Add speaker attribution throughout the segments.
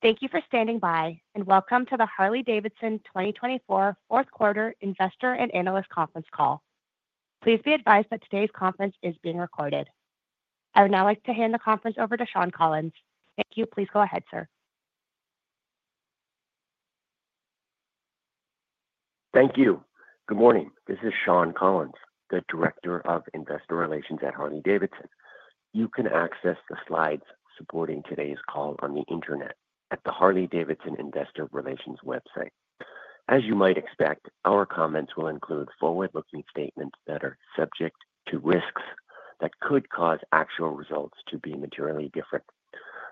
Speaker 1: Thank you for standing by, and welcome to the Harley-Davidson 2024 Fourth Quarter Investor and Analyst Conference Call. Please be advised that today's conference is being recorded. I would now like to hand the conference over to Shawn Collins. Thank you. Please go ahead, sir.
Speaker 2: Thank you. Good morning. This is Shawn Collins, the Director of Investor Relations at Harley-Davidson. You can access the slides supporting today's call on the internet at the Harley-Davidson Investor Relations website. As you might expect, our comments will include forward-looking statements that are subject to risks that could cause actual results to be materially different.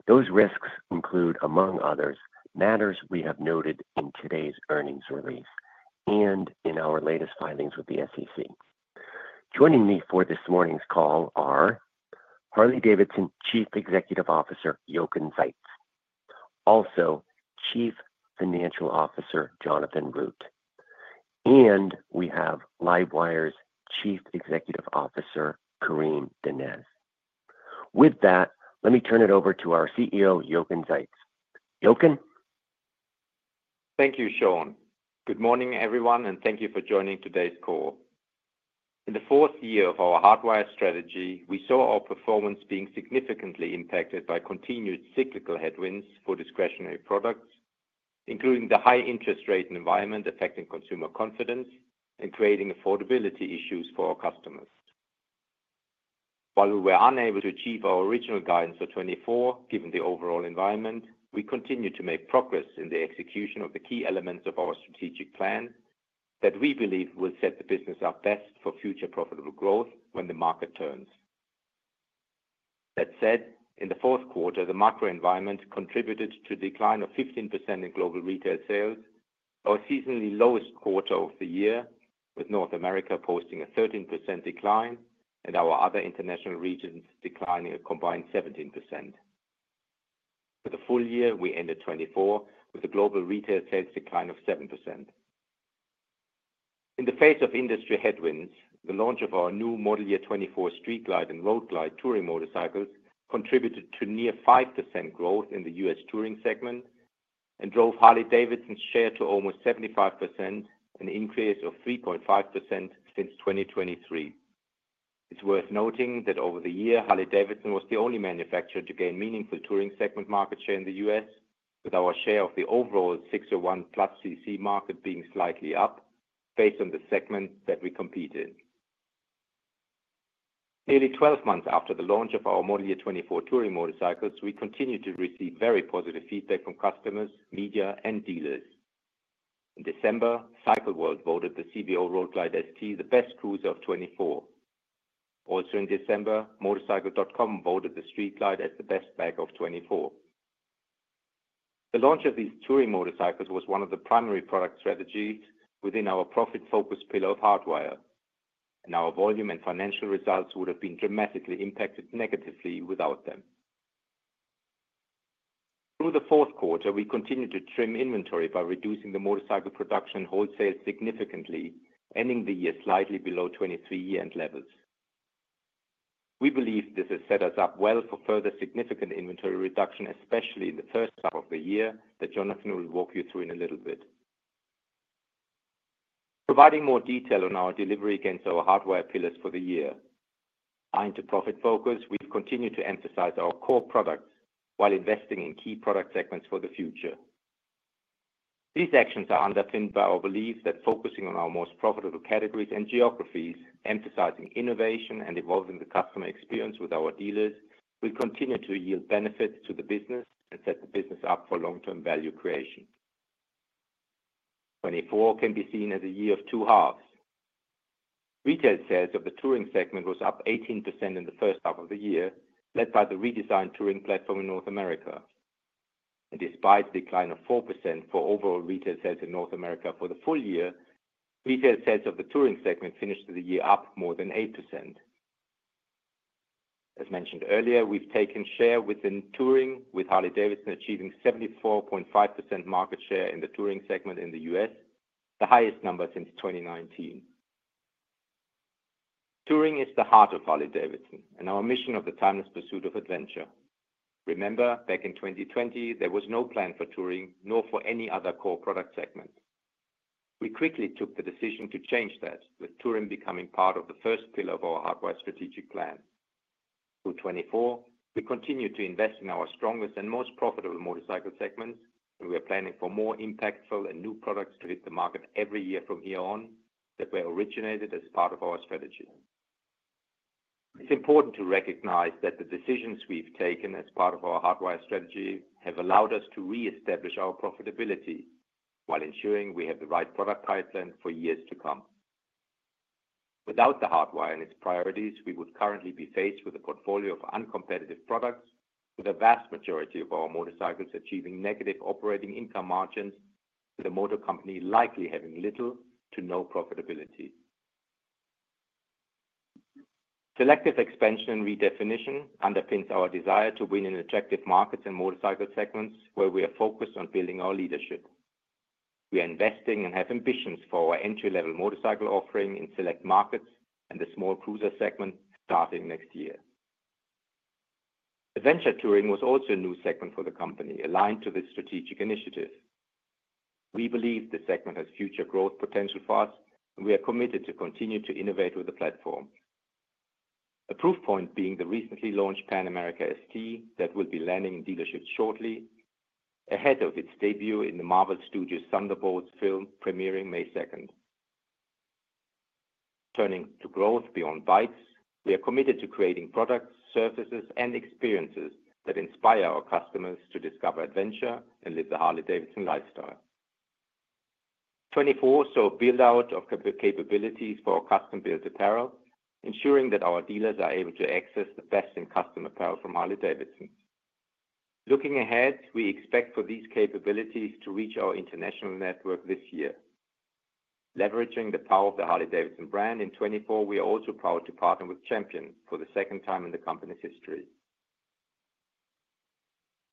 Speaker 2: Those risks include, among others, matters we have noted in today's earnings release and in our latest filings with the SEC. Joining me for this morning's call are Harley-Davidson Chief Executive Officer Jochen Zeitz, Chief Financial Officer Jonathan Root, and LiveWire's Chief Executive Officer Karim Donnez. With that, let me turn it over to our CEO, Jochen Zeitz. Jochen?
Speaker 3: Thank you, Shawn. Good morning, everyone, and thank you for joining today's call. In the fourth year of our Hardwire strategy, we saw our performance being significantly impacted by continued cyclical headwinds for discretionary products, including the high interest rate environment affecting consumer confidence and creating affordability issues for our customers. While we were unable to achieve our original guidance for 2024, given the overall environment, we continue to make progress in the execution of the key elements of our strategic plan that we believe will set the business up best for future profitable growth when the market turns. That said, in the fourth quarter, the macro environment contributed to a decline of 15% in global retail sales, our seasonally lowest quarter of the year, with North America posting a 13% decline and our other international regions declining a combined 17%. For the full year, we ended 2024 with a global retail sales decline of 7%. In the face of industry headwinds, the launch of our new Model Year 2024 Street Glide and Road Glide Touring motorcycles contributed to near 5% growth in the U.S. Touring segment and drove Harley-Davidson's share to almost 75%, an increase of 3.5% since 2023. It's worth noting that over the year, Harley-Davidson was the only manufacturer to gain meaningful Touring segment market share in the U.S., with our share of the overall 601+cc market being slightly up based on the segment that we competed in. Nearly 12 months after the launch of our Model Year 2024 Touring motorcycles, we continue to receive very positive feedback from customers, media, and dealers. In December, Cycle World voted the CVO Road Glide ST the best cruiser of 2024. Also in December, Motorcycle.com voted the Street Glide as the best bagger of 2024. The launch of these Touring motorcycles was one of the primary product strategies within our profit-focused pillar of Hardwire, and our volume and financial results would have been dramatically impacted negatively without them. Through the fourth quarter, we continued to trim inventory by reducing the motorcycle production and wholesale significantly, ending the year slightly below 2023 year-end levels. We believe this has set us up well for further significant inventory reduction, especially in the first half of the year that Jonathan will walk you through in a little bit. Providing more detail on our delivery against our Hardwire pillars for the year, tying to profit focus, we've continued to emphasize our core products while investing in key product segments for the future. These actions are underpinned by our belief that focusing on our most profitable categories and geographies, emphasizing innovation and evolving the customer experience with our dealers, will continue to yield benefits to the business and set the business up for long-term value creation. 2024 can be seen as a year of two halves. Retail sales of the Touring segment was up 18% in the first half of the year, led by the redesigned Touring platform in North America. And despite a decline of 4% for overall retail sales in North America for the full year, retail sales of the Touring segment finished the year up more than 8%. As mentioned earlier, we've taken share within Touring, with Harley-Davidson achieving 74.5% market share in the Touring segment in the U.S., the highest number since 2019. Touring is the heart of Harley-Davidson, and our mission of the timeless pursuit of adventure. Remember, back in 2020, there was no plan for Touring, nor for any other core product segment. We quickly took the decision to change that, with Touring becoming part of the first pillar of our Hardwire strategic plan. Through 2024, we continue to invest in our strongest and most profitable motorcycle segments, and we are planning for more impactful and new products to hit the market every year from here on that were originated as part of our strategy. It's important to recognize that the decisions we've taken as part of our Hardwire strategy have allowed us to reestablish our profitability while ensuring we have the right product pipeline for years to come. Without the Hardwire and its priorities, we would currently be faced with a portfolio of uncompetitive products, with a vast majority of our motorcycles achieving negative operating income margins, with the Motor Company likely having little to no profitability. Selective expansion and redefinition underpins our desire to win in attractive markets and motorcycle segments where we are focused on building our leadership. We are investing and have ambitions for our entry-level motorcycle offering in select markets and the small cruiser segment starting next year. Adventure Touring was also a new segment for the company, aligned to this strategic initiative. We believe the segment has future growth potential for us, and we are committed to continue to innovate with the platform. A proof point being the recently launched Pan America ST that will be landing in dealerships shortly, ahead of its debut in the Marvel Studios' Thunderbolts film premiering May 2nd. Turning to growth beyond bikes, we are committed to creating products, services, and experiences that inspire our customers to discover adventure and live the Harley-Davidson lifestyle. 2024 saw a build-out of capabilities for our custom-built apparel, ensuring that our dealers are able to access the best-in-custom apparel from Harley-Davidson. Looking ahead, we expect for these capabilities to reach our international network this year. Leveraging the power of the Harley-Davidson brand in 2024, we are also proud to partner with Champion for the second time in the company's history.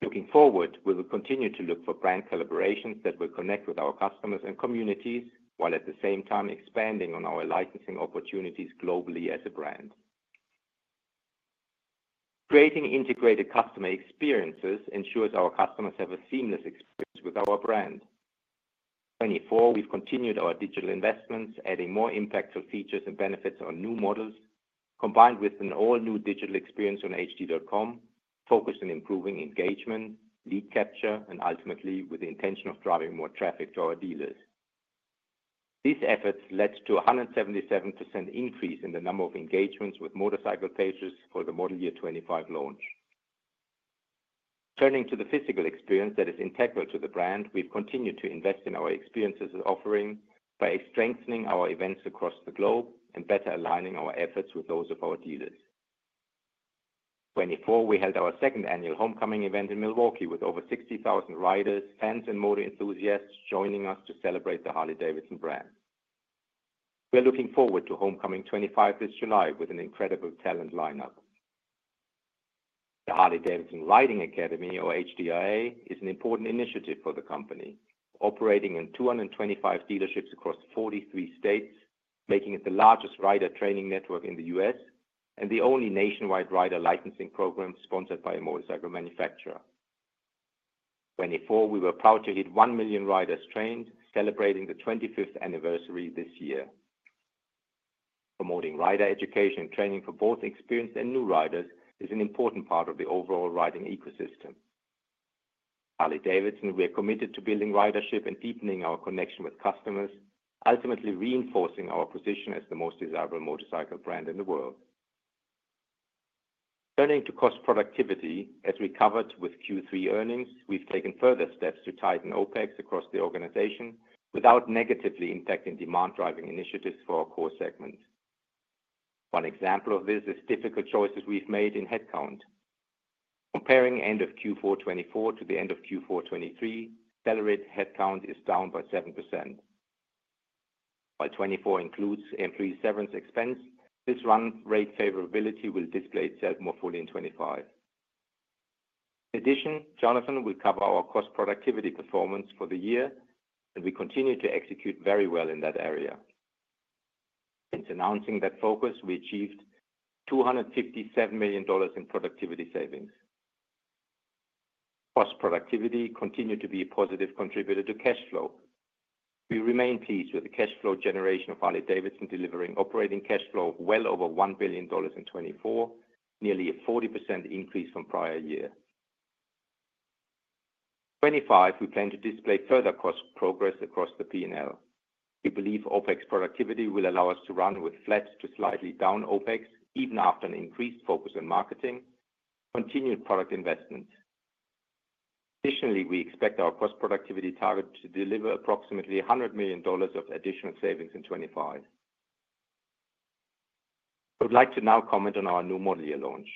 Speaker 3: Looking forward, we will continue to look for brand collaborations that will connect with our customers and communities while at the same time expanding on our licensing opportunities globally as a brand. Creating integrated customer experiences ensures our customers have a seamless experience with our brand. 2024, we've continued our digital investments, adding more impactful features and benefits on new models, combined with an all-new digital experience on hd.com focused on improving engagement, lead capture, and ultimately with the intention of driving more traffic to our dealers. These efforts led to a 177% increase in the number of engagements with motorcycle pages for the Model Year 2025 launch. Turning to the physical experience that is integral to the brand, we've continued to invest in our experiences offering by strengthening our events across the globe and better aligning our efforts with those of our dealers. In 2024, we held our second annual Homecoming event in with over 60,000 riders, fans, and motorcycle enthusiasts joining us to celebrate the Harley-Davidson brand. We're looking forward to Homecoming 2025 this July with an incredible talent lineup. The Harley-Davidson Riding Academy, or HDRA, is an important initiative for the company, operating in 225 dealerships across 43 states, making it the largest rider training network in the U.S. and the only nationwide rider licensing program sponsored by a motorcycle manufacturer. 2024, we were proud to hit 1 million riders trained, celebrating the 25th anniversary this year. Promoting rider education and training for both experienced and new riders is an important part of the overall riding ecosystem. At Harley-Davidson, we are committed to building ridership and deepening our connection with customers, ultimately reinforcing our position as the most desirable motorcycle brand in the world. Turning to cost productivity, as we covered with Q3 earnings, we've taken further steps to tighten OpEx across the organization without negatively impacting demand-driving initiatives for our core segment. One example of this is difficult choices we've made in headcount. Comparing end of Q4 2024 to the end of Q4 2023, accelerated headcount is down by 7%. While 2024 includes M37's expense, this run rate favorability will display itself more fully in 2025. In addition, Jonathan will cover our cost productivity performance for the year, and we continue to execute very well in that area. Since announcing that focus, we achieved $257 million in productivity savings. Cost productivity continued to be a positive contributor to cash flow. We remain pleased with the cash flow generation of Harley-Davidson, delivering operating cash flow well over $1 billion in 2024, nearly a 40% increase from prior year. 2025, we plan to display further cost progress across the P&L. We believe OpEx productivity will allow us to run with flat to slightly down OpEx, even after an increased focus on marketing, continued product investment. Additionally, we expect our cost productivity target to deliver approximately $100 million of additional savings in 2025. I would like to now comment on our new model year launch.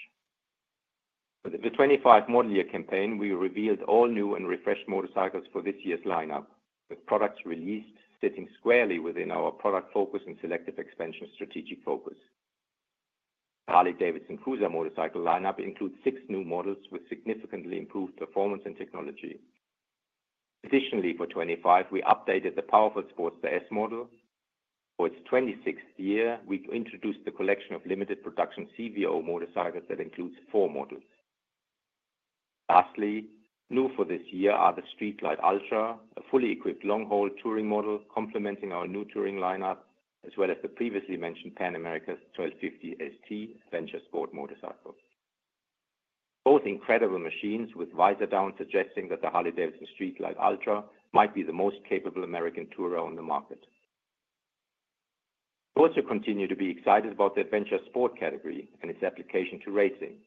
Speaker 3: For the 2025 model year campaign, we revealed all new and refreshed motorcycles for this year's lineup, with products released sitting squarely within our product focus and selective expansion strategic focus. The Harley-Davidson Cruiser motorcycle lineup includes six new models with significantly improved performance and technology. Additionally, for 2025, we updated the powerful Sportster S model. For its 26th year, we introduced the collection of limited production CVO motorcycles that includes four models. Lastly, new for this year are the Street Glide Ultra, a fully equipped long-haul Touring model complementing our new Touring lineup, as well as the previously mentioned Pan America 1250 ST Adventure Sport motorcycle. Both incredible machines, with Visordown suggesting that the Harley-Davidson Street Glide Ultra might be the most capable American tourer on the market. We also continue to be excited about the Adventure Sport category and its application to racing.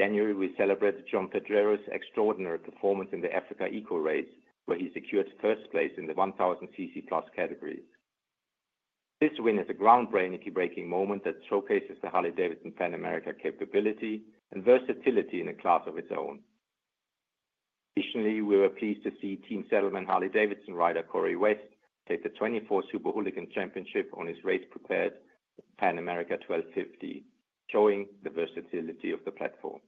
Speaker 3: In January, we celebrated Joan Pedrero's extraordinary performance in the Africa Eco Race, where he secured first place in the 1000 cc+ categories. This win is a groundbreaking moment that showcases the Harley-Davidson Pan America capability and versatility in a class of its own. Additionally, we were pleased to see Team Saddlemen Harley-Davidson rider Cory West take the 2024 Super Hooligan Championship on his race-prepared Pan America 1250, showing the versatility of the platform.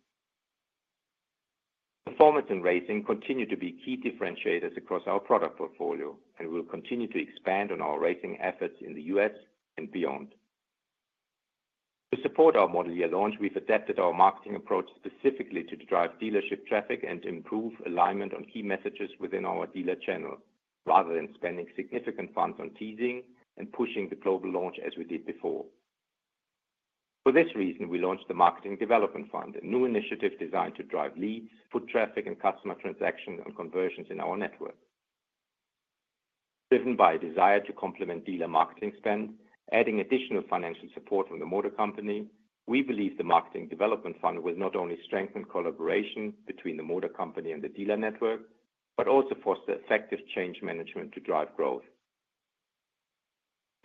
Speaker 3: Performance and racing continue to be key differentiators across our product portfolio, and we'll continue to expand on our racing efforts in the U.S. and beyond. To support our model year launch, we've adapted our marketing approach specifically to drive dealership traffic and improve alignment on key messages within our dealer channel, rather than spending significant funds on teasing and pushing the global launch as we did before. For this reason, we launched the Marketing Development Fund, a new initiative designed to drive leads, foot traffic, and customer transaction and conversions in our network. Driven by a desire to complement dealer marketing spend, adding additional financial support from the Motor Company, we believe the Marketing Development Fund will not only strengthen collaboration between the Motor Company and the dealer network, but also foster effective change management to drive growth.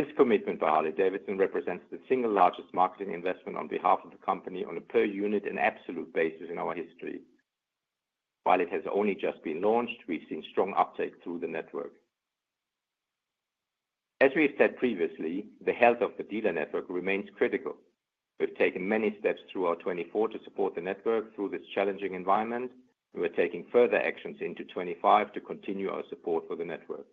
Speaker 3: This commitment by Harley-Davidson represents the single largest marketing investment on behalf of the company on a per-unit and absolute basis in our history. While it has only just been launched, we've seen strong uptake through the network. As we have said previously, the health of the dealer network remains critical. We've taken many steps throughout 2024 to support the network through this challenging environment, and we're taking further actions into 2025 to continue our support for the network.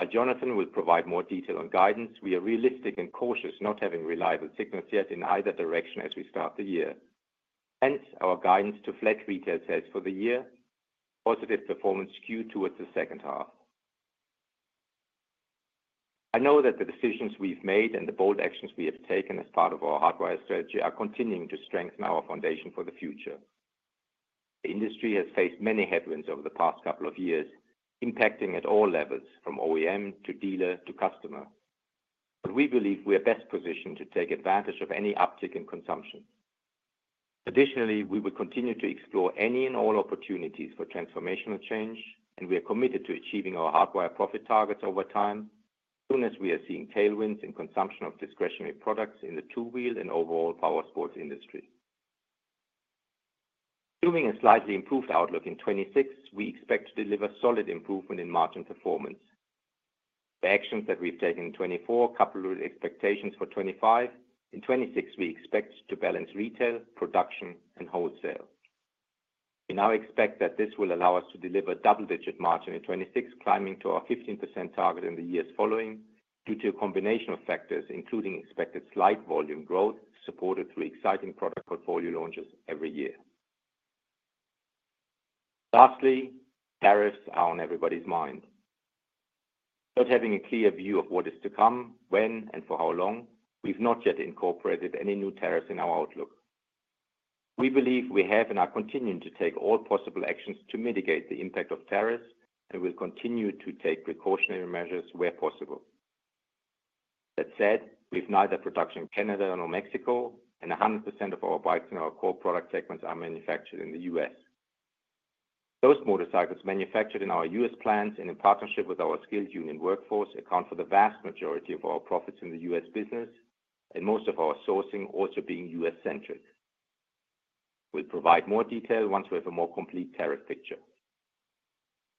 Speaker 3: While Jonathan will provide more detail and guidance, we are realistic and cautious, not having reliable signals yet in either direction as we start the year. Hence, our guidance to flat retail sales for the year, positive performance skewed towards the second half. I know that the decisions we've made and the bold actions we have taken as part of our Hardwire strategy are continuing to strengthen our foundation for the future. The industry has faced many headwinds over the past couple of years, impacting at all levels, from OEM to dealer to customer. But we believe we are best positioned to take advantage of any uptick in consumption. Additionally, we will continue to explore any and all opportunities for transformational change, and we are committed to achieving our Hardwire profit targets over time, as soon as we are seeing tailwinds in consumption of discretionary products in the two-wheel and overall powersports industry. Assuming a slightly improved outlook in 2026, we expect to deliver solid improvement in margin performance. The actions that we've taken in 2024 coupled with expectations for 2025, in 2026 we expect to balance retail, production, and wholesale. We now expect that this will allow us to deliver double-digit margin in 2026, climbing to our 15% target in the years following due to a combination of factors, including expected slight volume growth supported through exciting product portfolio launches every year. Lastly, tariffs are on everybody's mind. Without having a clear view of what is to come, when, and for how long, we've not yet incorporated any new tariffs in our outlook. We believe we have and are continuing to take all possible actions to mitigate the impact of tariffs, and we'll continue to take precautionary measures where possible. That said, we have neither production in Canada nor Mexico, and 100% of our bikes in our core product segments are manufactured in the U.S. Those motorcycles manufactured in our U.S. plants and in partnership with our skilled union workforce account for the vast majority of our profits in the U.S. business, and most of our sourcing also being U.S.-centric. We'll provide more detail once we have a more complete tariff picture.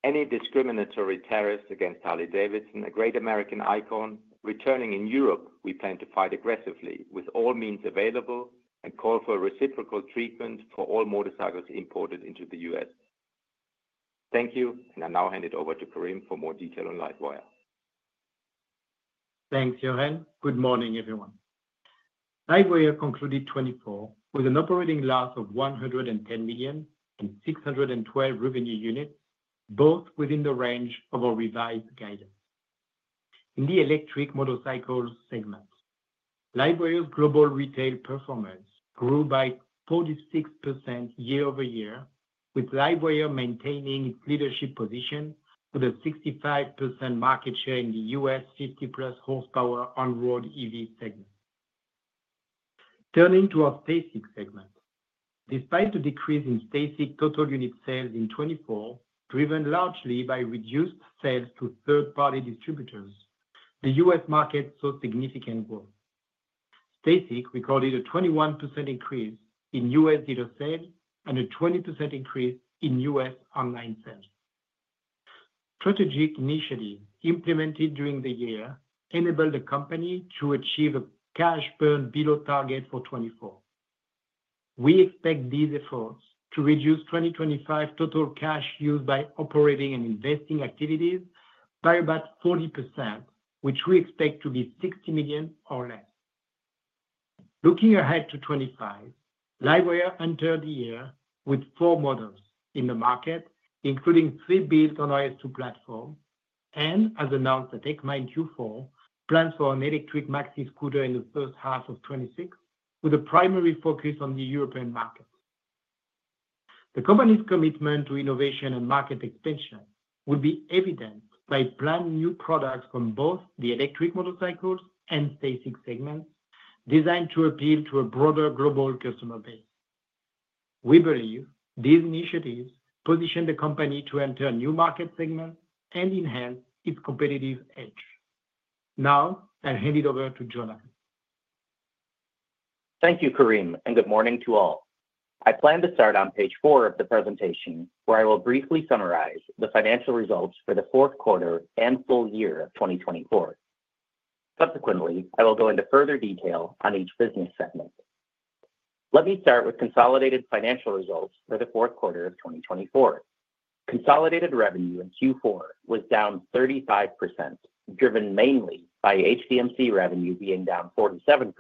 Speaker 3: Any discriminatory tariffs against Harley-Davidson, a great American icon, returning in Europe, we plan to fight aggressively with all means available and call for a reciprocal treatment for all motorcycles imported into the U.S. Thank you, and I now hand it over to Karim for more detail on LiveWire.
Speaker 4: Thanks, Jochen. Good morning, everyone. LiveWire concluded 2024 with an operating loss of $110 million and 612 revenue units, both within the range of our revised guidance. In the electric motorcycle segment, LiveWire's global retail performance grew by 46% year-over-year, with LiveWire maintaining its leadership position with a 65% market share in the U.S. 50+ horsepower on-road EV segment. Turning to our STACYC segment, despite the decrease in STACYC total unit sales in 2024, driven largely by reduced sales to third-party distributors, the U.S. market saw significant growth. STACYC recorded a 21% increase in U.S. dealer sales and a 20% increase in U.S. online sales. Strategic initiatives implemented during the year enabled the company to achieve a cash burn below target for 2024. We expect these efforts to reduce 2025 total cash used by operating and investing activities by about 40%, which we expect to be $60 million or less. Looking ahead to 2025, LiveWire entered the year with four models in the market, including three built on our S2 platform, and, as announced at EICMA in Q4, plans for an electric maxi scooter in the first half of 2026, with a primary focus on the European market. The company's commitment to innovation and market expansion will be evident by brand new products from both the electric motorcycles and STACYC segments designed to appeal to a broader global customer base. We believe these initiatives position the company to enter new market segments and enhance its competitive edge. Now, I'll hand it over to Jonathan.
Speaker 5: Thank you, Karim, and good morning to all. I plan to start on page four of the presentation, where I will briefly summarize the financial results for the fourth quarter and full year of 2024. Subsequently, I will go into further detail on each business segment. Let me start with consolidated financial results for the fourth quarter of 2024. Consolidated revenue in Q4 was down 35%, driven mainly by HDMC revenue being down 47%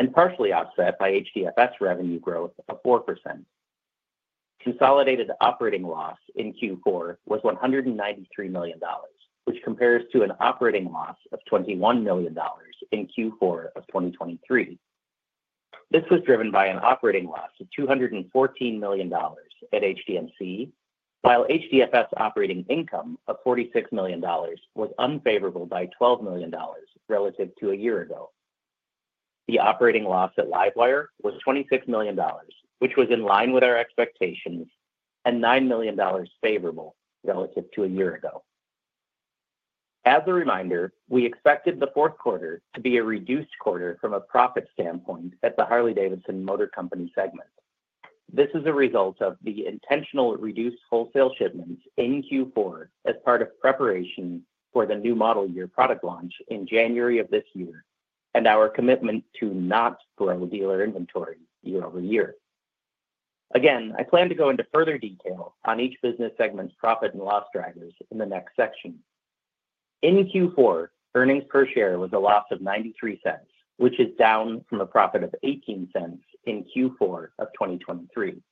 Speaker 5: and partially offset by HDFS revenue growth of 4%. Consolidated operating loss in Q4 was $193 million, which compares to an operating loss of $21 million in Q4 of 2023. This was driven by an operating loss of $214 million at HDMC, while HDFS operating income of $46 million was unfavorable by $12 million relative to a year ago. The operating loss at LiveWire was $26 million, which was in line with our expectations and $9 million favorable relative to a year ago. As a reminder, we expected the fourth quarter to be a reduced quarter from a profit standpoint at the Harley-Davidson Motor Company segment. This is a result of the intentional reduced wholesale shipments in Q4 as part of preparation for the new model year product launch in January of this year and our commitment to not grow dealer inventory year-over-year. Again, I plan to go into further detail on each business segment's profit and loss drivers in the next section. In Q4, earnings per share was a loss of $0.93, which is down from a profit of $0.18 in Q4 of 2023.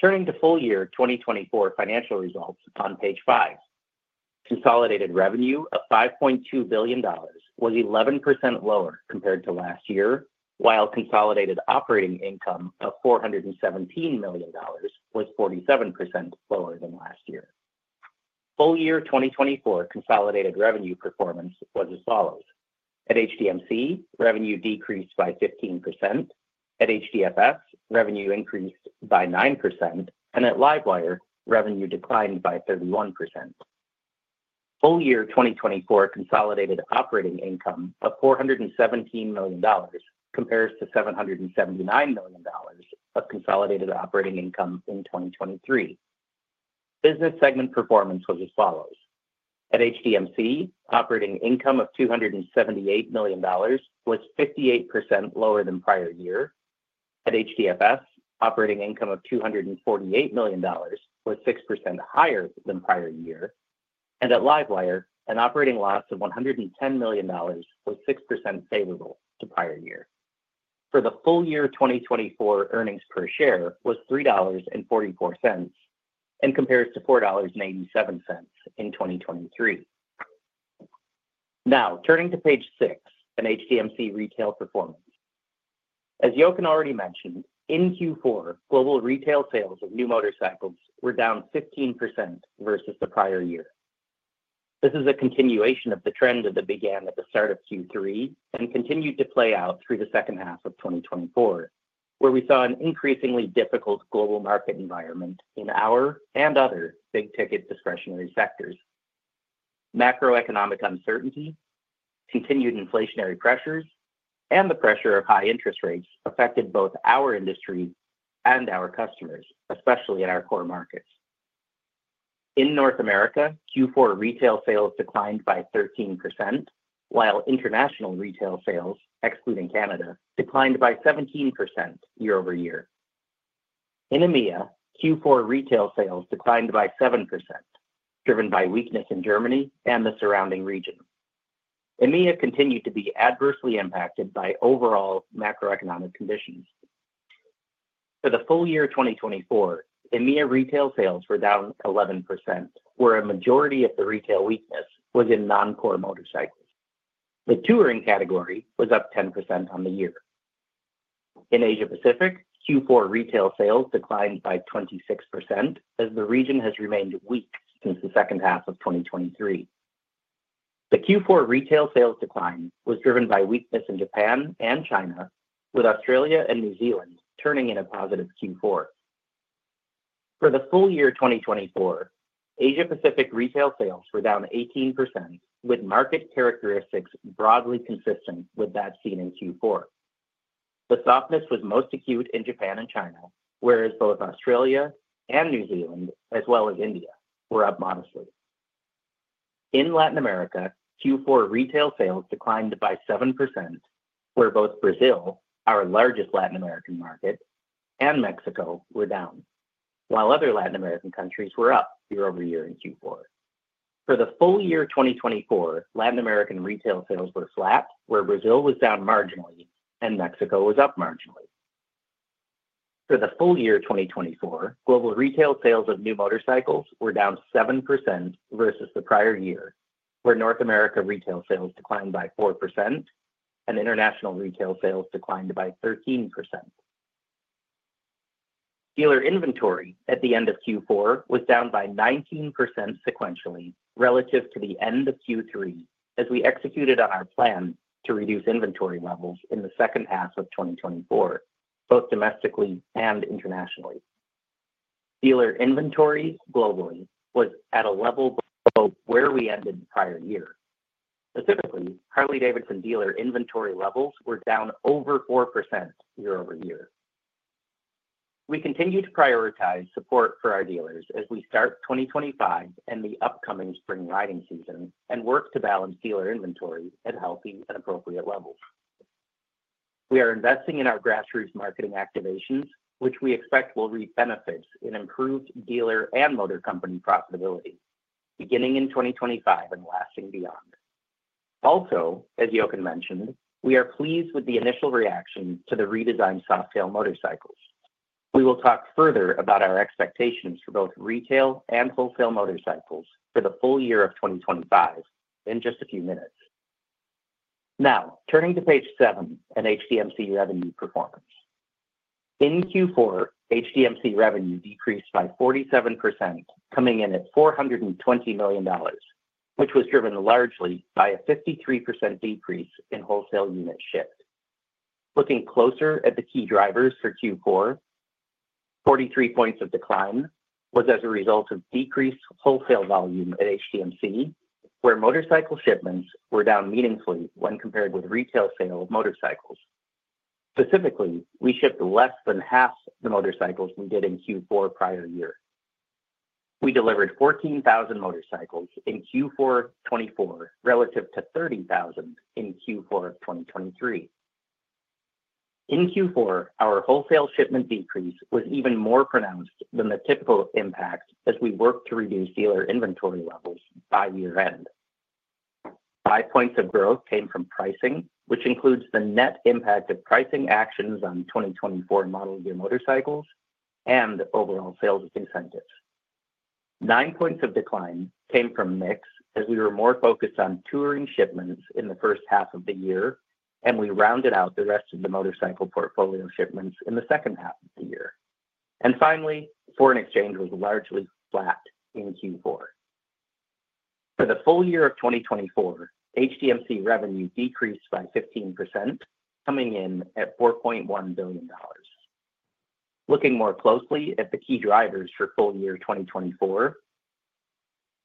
Speaker 5: Turning to full year 2024 financial results on page five, consolidated revenue of $5.2 billion was 11% lower compared to last year, while consolidated operating income of $417 million was 47% lower than last year. Full year 2024 consolidated revenue performance was as follows. At HDMC, revenue decreased by 15%. At HDFS, revenue increased by 9%, and at LiveWire, revenue declined by 31%. Full year 2024 consolidated operating income of $417 million compares to $779 million of consolidated operating income in 2023. Business segment performance was as follows. At HDMC, operating income of $278 million was 58% lower than prior year. At HDFS, operating income of $248 million was 6% higher than prior year. And at LiveWire, an operating loss of $110 million was 6% favorable to prior year. For the full year 2024, earnings per share was $3.44 and compares to $4.87 in 2023. Now, turning to page six and HDMC retail performance. As Jochen already mentioned, in Q4, global retail sales of new motorcycles were down 15% versus the prior year. This is a continuation of the trend that began at the start of Q3 and continued to play out through the second half of 2024, where we saw an increasingly difficult global market environment in our and other big-ticket discretionary sectors. Macroeconomic uncertainty, continued inflationary pressures, and the pressure of high interest rates affected both our industry and our customers, especially in our core markets. In North America, Q4 retail sales declined by 13%, while international retail sales, excluding Canada, declined by 17% year-over-year. In EMEA, Q4 retail sales declined by 7%, driven by weakness in Germany and the surrounding region. EMEA continued to be adversely impacted by overall macroeconomic conditions. For the full year 2024, EMEA retail sales were down 11%, where a majority of the retail weakness was in non-core motorcycles. The Touring category was up 10% on the year. In Asia-Pacific, Q4 retail sales declined by 26%, as the region has remained weak since the second half of 2023. The Q4 retail sales decline was driven by weakness in Japan and China, with Australia and New Zealand turning in a positive Q4. For the full year 2024, Asia-Pacific retail sales were down 18%, with market characteristics broadly consistent with that seen in Q4. The softness was most acute in Japan and China, whereas both Australia and New Zealand, as well as India, were up modestly. In Latin America, Q4 retail sales declined by 7%, where both Brazil, our largest Latin American market, and Mexico were down, while other Latin American countries were up year-over-year in Q4. For the full year 2024, Latin American retail sales were flat, where Brazil was down marginally and Mexico was up marginally. For the full year 2024, global retail sales of new motorcycles were down 7% versus the prior year, where North America retail sales declined by 4% and international retail sales declined by 13%. Dealer inventory at the end of Q4 was down by 19% sequentially relative to the end of Q3, as we executed on our plan to reduce inventory levels in the second half of 2024, both domestically and internationally. Dealer inventory globally was at a level below where we ended the prior year. Specifically, Harley-Davidson dealer inventory levels were down over 4% year-over-year. We continue to prioritize support for our dealers as we start 2025 and the upcoming spring riding season and work to balance dealer inventory at healthy and appropriate levels. We are investing in our grassroots marketing activations, which we expect will reap benefits in improved dealer and Motor Company profitability, beginning in 2025 and lasting beyond. Also, as Jochen mentioned, we are pleased with the initial reaction to the redesigned Softail motorcycles. We will talk further about our expectations for both retail and wholesale motorcycles for the full year of 2025 in just a few minutes. Now, turning to page seven and HDMC revenue performance. In Q4, HDMC revenue decreased by 47%, coming in at $420 million, which was driven largely by a 53% decrease in wholesale unit shift. Looking closer at the key drivers for Q4, 43 points of decline was as a result of decreased wholesale volume at HDMC, where motorcycle shipments were down meaningfully when compared with retail sales of motorcycles. Specifically, we shipped less than half the motorcycles we did in Q4 prior year. We delivered 14,000 motorcycles in Q4 2024 relative to 30,000 in Q4 of 2023. In Q4, our wholesale shipment decrease was even more pronounced than the typical impact as we worked to reduce dealer inventory levels by year-end. Five points of growth came from pricing, which includes the net impact of pricing actions on 2024 model year motorcycles and overall sales with incentives. Nine points of decline came from mix as we were more focused on Touring shipments in the first half of the year, and we rounded out the rest of the motorcycle portfolio shipments in the second half of the year. And finally, foreign exchange was largely flat in Q4. For the full year of 2024, HDMC revenue decreased by 15%, coming in at $4.1 billion. Looking more closely at the key drivers for full year 2024,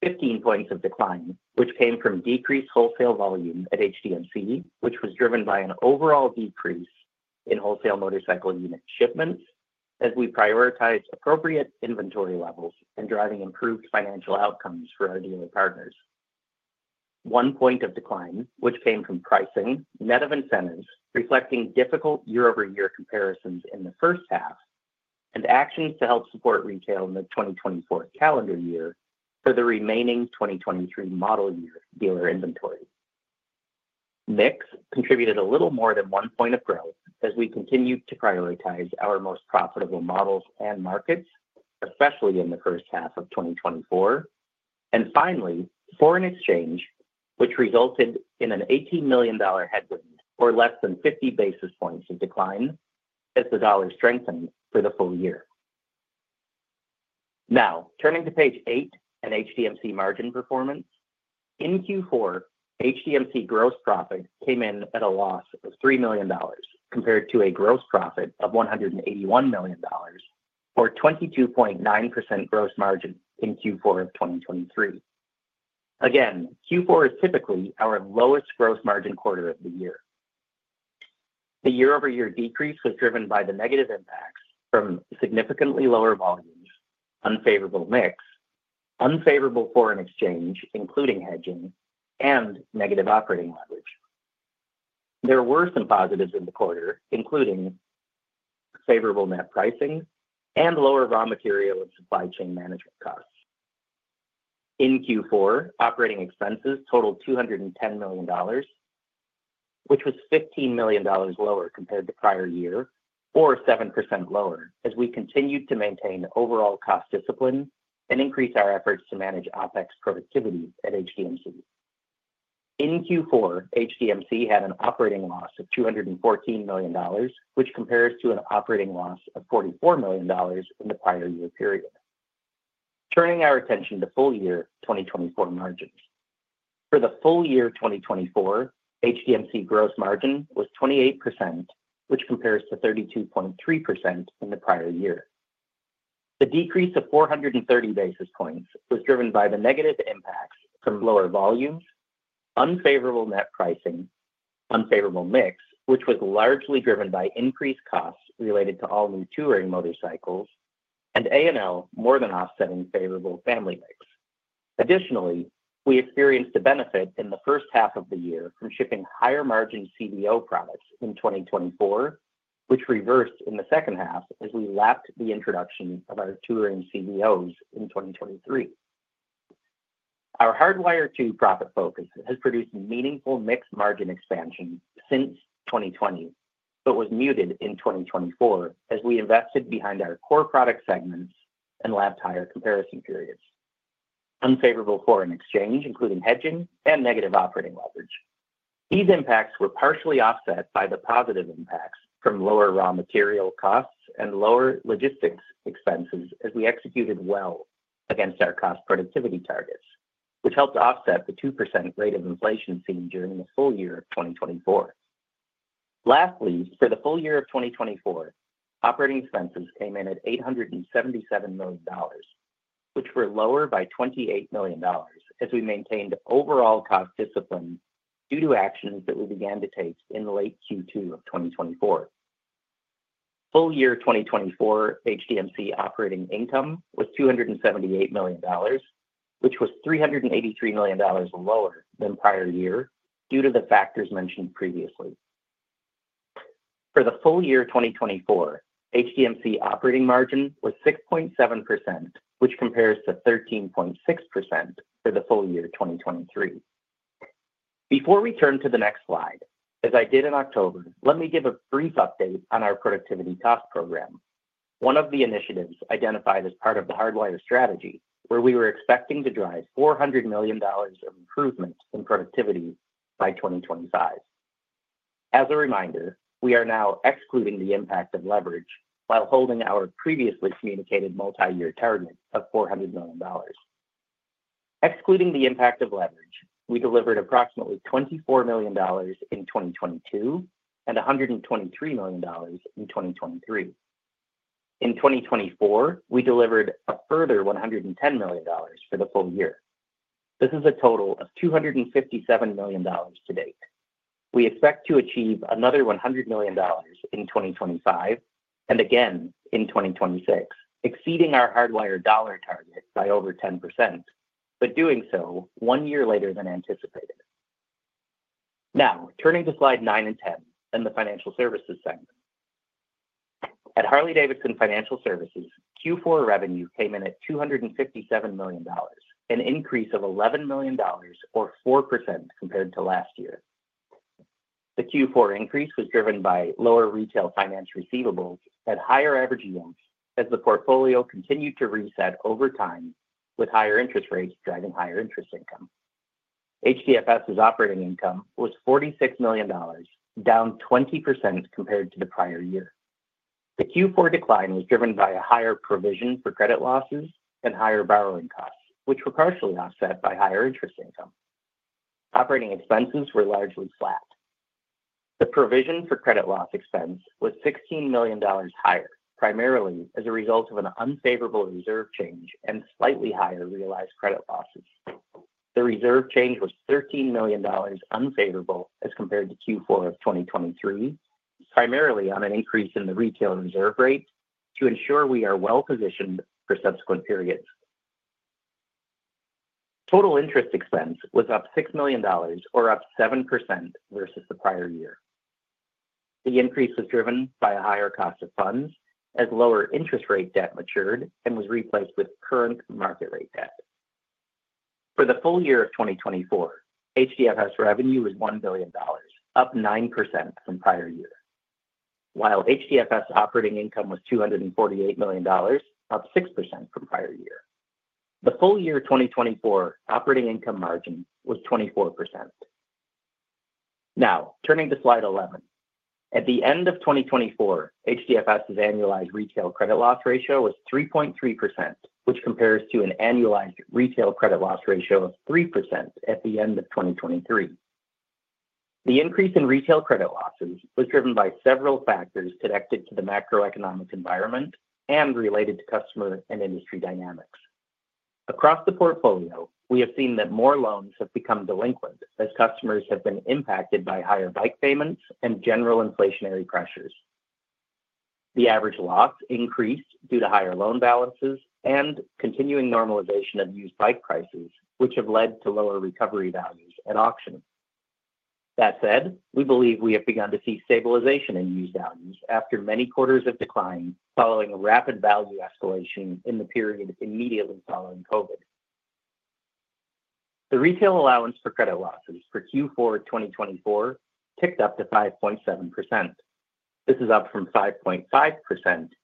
Speaker 5: 15 points of decline, which came from decreased wholesale volume at HDMC, which was driven by an overall decrease in wholesale motorcycle unit shipments as we prioritized appropriate inventory levels and driving improved financial outcomes for our dealer partners. One point of decline, which came from pricing, net of incentives, reflecting difficult year-over-year comparisons in the first half, and actions to help support retail in the 2024 calendar year for the remaining 2023 model year dealer inventory. Mix contributed a little more than one point of growth as we continued to prioritize our most profitable models and markets, especially in the first half of 2024. And finally, foreign exchange, which resulted in an $18 million headwind or less than 50 basis points of decline as the dollar strengthened for the full year. Now, turning to page eight and HDMC margin performance. In Q4, HDMC gross profit came in at a loss of $3 million compared to a gross profit of $181 million, or 22.9% gross margin in Q4 of 2023. Again, Q4 is typically our lowest gross margin quarter of the year. The year-over-year decrease was driven by the negative impacts from significantly lower volumes, unfavorable mix, unfavorable foreign exchange, including hedging, and negative operating leverage. There were some positives in the quarter, including favorable net pricing and lower raw material and supply chain management costs. In Q4, operating expenses totaled $210 million, which was $15 million lower compared to prior year, or 7% lower, as we continued to maintain overall cost discipline and increase our efforts to manage OpEx productivity at HDMC. In Q4, HDMC had an operating loss of $214 million, which compares to an operating loss of $44 million in the prior year period. Turning our attention to full year 2024 margins. For the full year 2024, HDMC gross margin was 28%, which compares to 32.3% in the prior year. The decrease of 430 basis points was driven by the negative impacts from lower volumes, unfavorable net pricing, unfavorable mix, which was largely driven by increased costs related to all new Touring motorcycles, and A&L more than offsetting favorable family mix. Additionally, we experienced a benefit in the first half of the year from shipping higher margin CVO products in 2024, which reversed in the second half as we lapped the introduction of our Touring CVOs in 2023. Our Hardwire to profit focus has produced meaningful gross margin expansion since 2020, but was muted in 2024 as we invested behind our core product segments and lapped higher comparison periods. Unfavorable foreign exchange, including hedging, and negative operating leverage. These impacts were partially offset by the positive impacts from lower raw material costs and lower logistics expenses as we executed well against our cost productivity targets, which helped offset the 2% rate of inflation seen during the full year of 2024. Lastly, for the full year of 2024, operating expenses came in at $877 million, which were lower by $28 million as we maintained overall cost discipline due to actions that we began to take in late Q2 of 2024. Full year 2024 HDMC operating income was $278 million, which was $383 million lower than prior year due to the factors mentioned previously. For the full year 2024, HDMC operating margin was 6.7%, which compares to 13.6% for the full year 2023. Before we turn to the next slide, as I did in October, let me give a brief update on our productivity cost program, one of the initiatives identified as part of the Hardwire strategy, where we were expecting to drive $400 million of improvement in productivity by 2025. As a reminder, we are now excluding the impact of leverage while holding our previously communicated multi-year target of $400 million. Excluding the impact of leverage, we delivered approximately $24 million in 2022 and $123 million in 2023. In 2024, we delivered a further $110 million for the full year. This is a total of $257 million to date. We expect to achieve another $100 million in 2025 and again in 2026, exceeding our Hardwire dollar target by over 10%, but doing so one year later than anticipated. Now, turning to slide nine and ten and the financial services segment. At Harley-Davidson Financial Services, Q4 revenue came in at $257 million, an increase of $11 million, or 4% compared to last year. The Q4 increase was driven by lower retail finance receivables at higher average yields as the portfolio continued to reset over time, with higher interest rates driving higher interest income. HDFS's operating income was $46 million, down 20% compared to the prior year. The Q4 decline was driven by a higher provision for credit losses and higher borrowing costs, which were partially offset by higher interest income. Operating expenses were largely flat. The provision for credit loss expense was $16 million higher, primarily as a result of an unfavorable reserve change and slightly higher realized credit losses. The reserve change was $13 million unfavorable as compared to Q4 of 2023, primarily on an increase in the retail reserve rate to ensure we are well-positioned for subsequent periods. Total interest expense was up $6 million, or up 7% versus the prior year. The increase was driven by a higher cost of funds as lower interest rate debt matured and was replaced with current market rate debt. For the full year of 2024, HDFS revenue was $1 billion, up 9% from prior year, while HDFS operating income was $248 million, up 6% from prior year. The full year 2024 operating income margin was 24%. Now, turning to slide 11. At the end of 2024, HDFS's annualized retail credit loss ratio was 3.3%, which compares to an annualized retail credit loss ratio of 3% at the end of 2023. The increase in retail credit losses was driven by several factors connected to the macroeconomic environment and related to customer and industry dynamics. Across the portfolio, we have seen that more loans have become delinquent as customers have been impacted by higher bike payments and general inflationary pressures. The average loss increased due to higher loan balances and continuing normalization of used bike prices, which have led to lower recovery values at auction. That said, we believe we have begun to see stabilization in used values after many quarters of decline following a rapid value escalation in the period immediately following COVID. The retail allowance for credit losses for Q4 2024 ticked up to 5.7%. This is up from 5.5%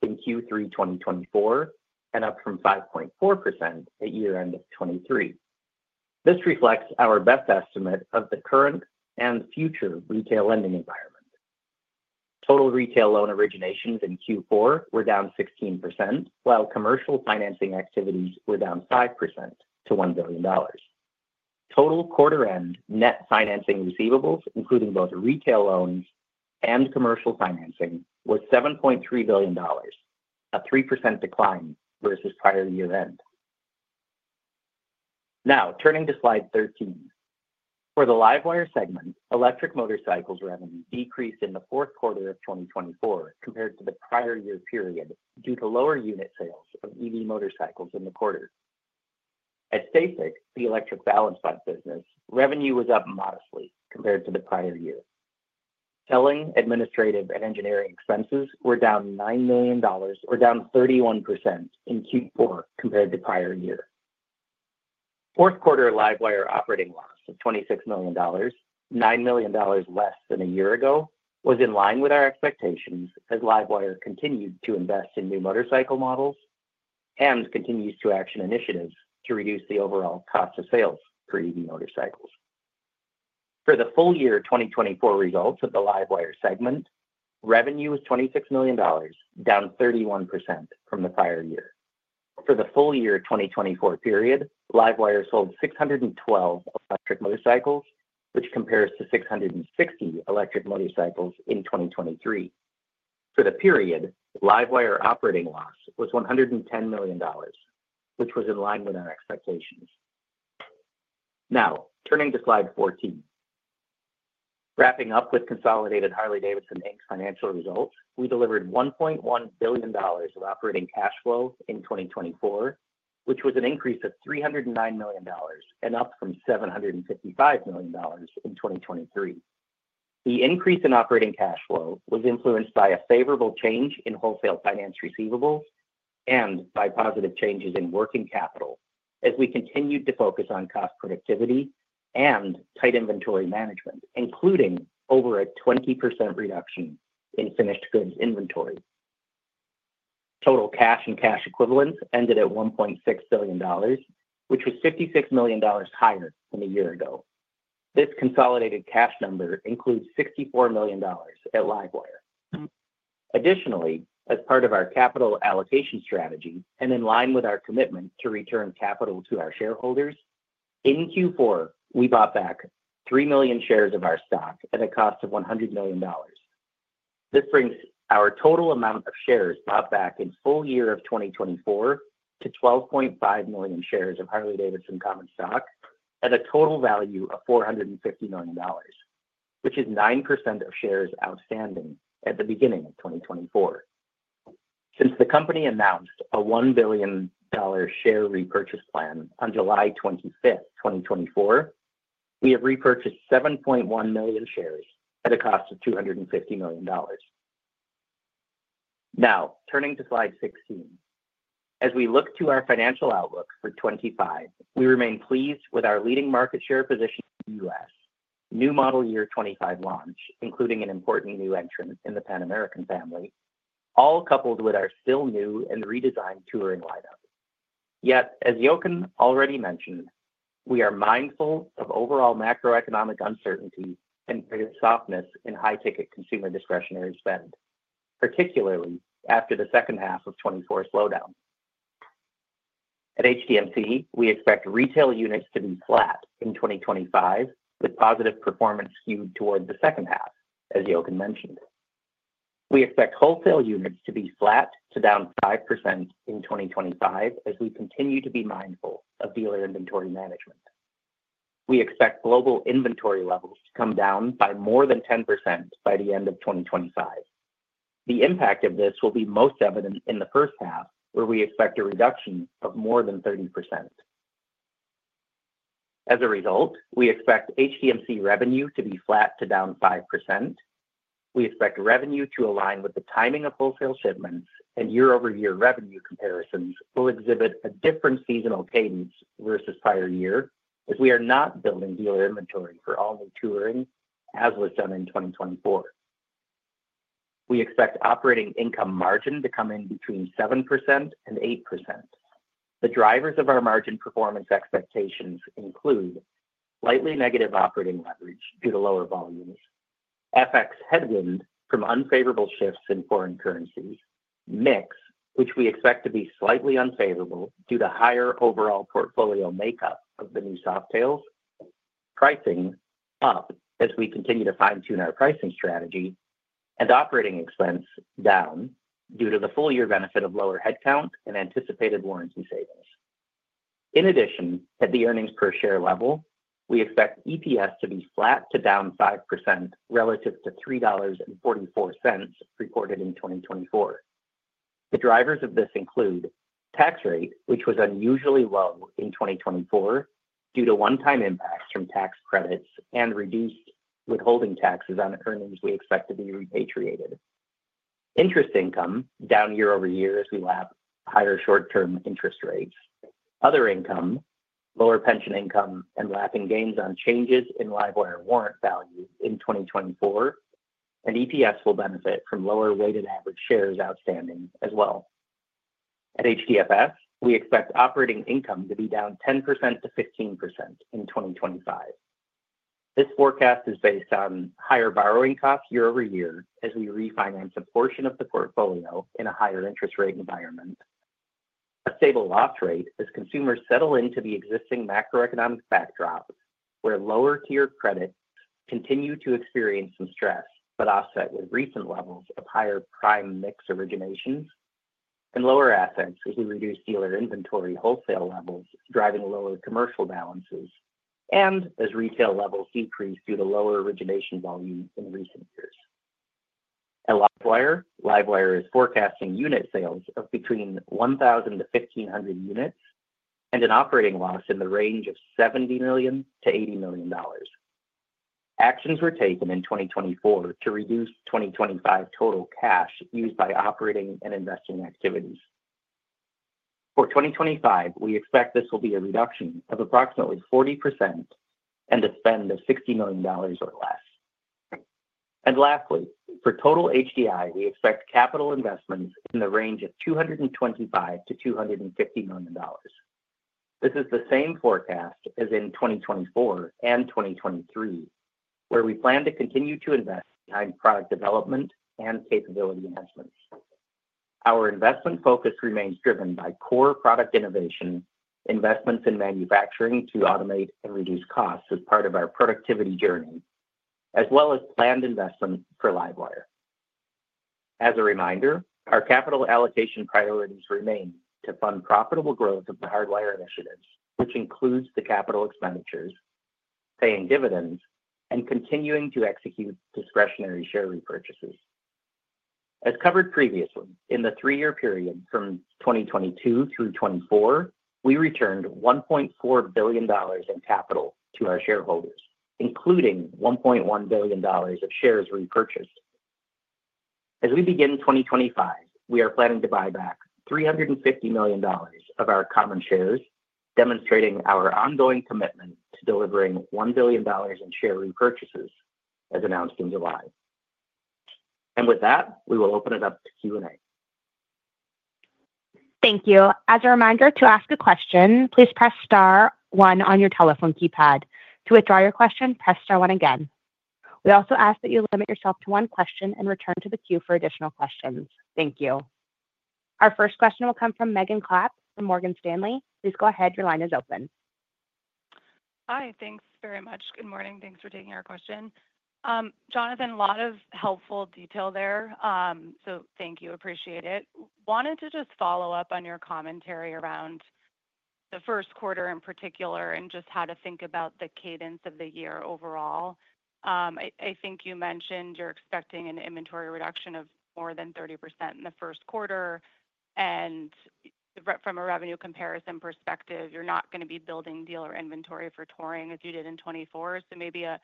Speaker 5: in Q3 2024 and up from 5.4% at year-end of 2023. This reflects our best estimate of the current and future retail lending environment. Total retail loan originations in Q4 were down 16%, while commercial financing activities were down 5% to $1 billion. Total quarter-end net financing receivables, including both retail loans and commercial financing, were $7.3 billion, a 3% decline versus prior year-end. Now, turning to slide 13. For the LiveWire segment, electric motorcycles revenue decreased in the fourth quarter of 2024 compared to the prior year period due to lower unit sales of EV motorcycles in the quarter. At STACYC, the electric balance bike business, revenue was up modestly compared to the prior year. Selling, administrative, and engineering expenses were down $9 million, or down 31% in Q4 compared to prior year. Fourth quarter LiveWire operating loss of $26 million, $9 million less than a year ago, was in line with our expectations as LiveWire continued to invest in new motorcycle models and continues to action initiatives to reduce the overall cost of sales for EV motorcycles. For the full year 2024 results of the LiveWire segment, revenue was $26 million, down 31% from the prior year. For the full year 2024 period, LiveWire sold 612 electric motorcycles, which compares to 660 electric motorcycles in 2023. For the period, LiveWire operating loss was $110 million, which was in line with our expectations. Now, turning to slide 14. Wrapping up with consolidated Harley-Davidson, Inc. financial results, we delivered $1.1 billion of operating cash flow in 2024, which was an increase of $309 million and up from $755 million in 2023. The increase in operating cash flow was influenced by a favorable change in wholesale finance receivables and by positive changes in working capital as we continued to focus on cost productivity and tight inventory management, including over a 20% reduction in finished goods inventory. Total cash and cash equivalents ended at $1.6 billion, which was $56 million higher than a year ago. This consolidated cash number includes $64 million at LiveWire. Additionally, as part of our capital allocation strategy and in line with our commitment to return capital to our shareholders, in Q4, we bought back three million shares of our stock at a cost of $100 million. This brings our total amount of shares bought back in full year of 2024 to 12.5 million shares of Harley-Davidson Common Stock at a total value of $450 million, which is 9% of shares outstanding at the beginning of 2024. Since the company announced a $1 billion share repurchase plan on July 25, 2024, we have repurchased 7.1 million shares at a cost of $250 million. Now, turning to slide 16. As we look to our financial outlook for 2025, we remain pleased with our leading market share position in the U.S., new model year 2025 launch, including an important new entrant in the Pan America family, all coupled with our still new and redesigned Touring lineup. Yet, as Jochen already mentioned, we are mindful of overall macroeconomic uncertainty and greater softness in high-ticket consumer discretionary spend, particularly after the second half of 2024 slowdown. At HDMC, we expect retail units to be flat in 2025, with positive performance skewed toward the second half, as Jochen mentioned. We expect wholesale units to be flat to down 5% in 2025 as we continue to be mindful of dealer inventory management. We expect global inventory levels to come down by more than 10% by the end of 2025. The impact of this will be most evident in the first half, where we expect a reduction of more than 30%. As a result, we expect HDMC revenue to be flat to down 5%. We expect revenue to align with the timing of wholesale shipments, and year-over-year revenue comparisons will exhibit a different seasonal cadence versus prior year as we are not building dealer inventory for all new Touring as was done in 2024. We expect operating income margin to come in between 7% and 8%. The drivers of our margin performance expectations include slightly negative operating leverage due to lower volumes, FX headwind from unfavorable shifts in foreign currencies, mix which we expect to be slightly unfavorable due to higher overall portfolio makeup of the new Softails, pricing up as we continue to fine-tune our pricing strategy, and operating expense down due to the full year benefit of lower headcount and anticipated warranty savings. In addition, at the earnings per share level, we expect EPS to be flat to down 5% relative to $3.44 reported in 2024. The drivers of this include tax rate, which was unusually low in 2024 due to one-time impacts from tax credits and reduced withholding taxes on earnings we expect to be repatriated. Interest income down year-over-year as we lap higher short-term interest rates. Other income, lower pension income and lapping gains on changes in LiveWire warrant value in 2024, and EPS will benefit from lower weighted average shares outstanding as well. At HDFS, we expect operating income to be down 10%-15% in 2025. This forecast is based on higher borrowing costs year-over-year as we refinance a portion of the portfolio in a higher interest rate environment. A stable loss rate as consumers settle into the existing macroeconomic backdrop, where lower-tier credits continue to experience some stress but offset with recent levels of higher prime mix originations, and lower assets as we reduce dealer inventory wholesale levels, driving lower commercial balances, and as retail levels decrease due to lower origination volume in recent years. At LiveWire, LiveWire is forecasting unit sales of between 1,000-1,500 units and an operating loss in the range of $70-$80 million. Actions were taken in 2024 to reduce 2025 total cash used by operating and investing activities. For 2025, we expect this will be a reduction of approximately 40% and a spend of $60 million or less. And lastly, for total HDI, we expect capital investments in the range of $225 million-$250 million. This is the same forecast as in 2024 and 2023, where we plan to continue to invest behind product development and capability management. Our investment focus remains driven by core product innovation, investments in manufacturing to automate and reduce costs as part of our productivity journey, as well as planned investment for LiveWire. As a reminder, our capital allocation priorities remain to fund profitable growth of the Hardwire initiatives, which includes the capital expenditures, paying dividends, and continuing to execute discretionary share repurchases. As covered previously, in the three-year period from 2022 through 2024, we returned $1.4 billion in capital to our shareholders, including $1.1 billion of shares repurchased. As we begin 2025, we are planning to buy back $350 million of our common shares, demonstrating our ongoing commitment to delivering $1 billion in share repurchases as announced in July. And with that, we will open it up to Q&A.
Speaker 1: Thank you. As a reminder, to ask a question, please press star one on your telephone keypad. To withdraw your question, press star one again. We also ask that you limit yourself to one question and return to the queue for additional questions. Thank you. Our first question will come from Megan Clapp from Morgan Stanley. Please go ahead. Your line is open.
Speaker 6: Hi. Thanks very much. Good morning. Thanks for taking our question. Jonathan, a lot of helpful detail there. So thank you. Appreciate it. I wanted to just follow up on your commentary around the first quarter in particular and just how to think about the cadence of the year overall. I think you mentioned you're expecting an inventory reduction of more than 30% in the first quarter. And from a revenue comparison perspective, you're not going to be building dealer inventory for Touring as you did in 2024. So maybe a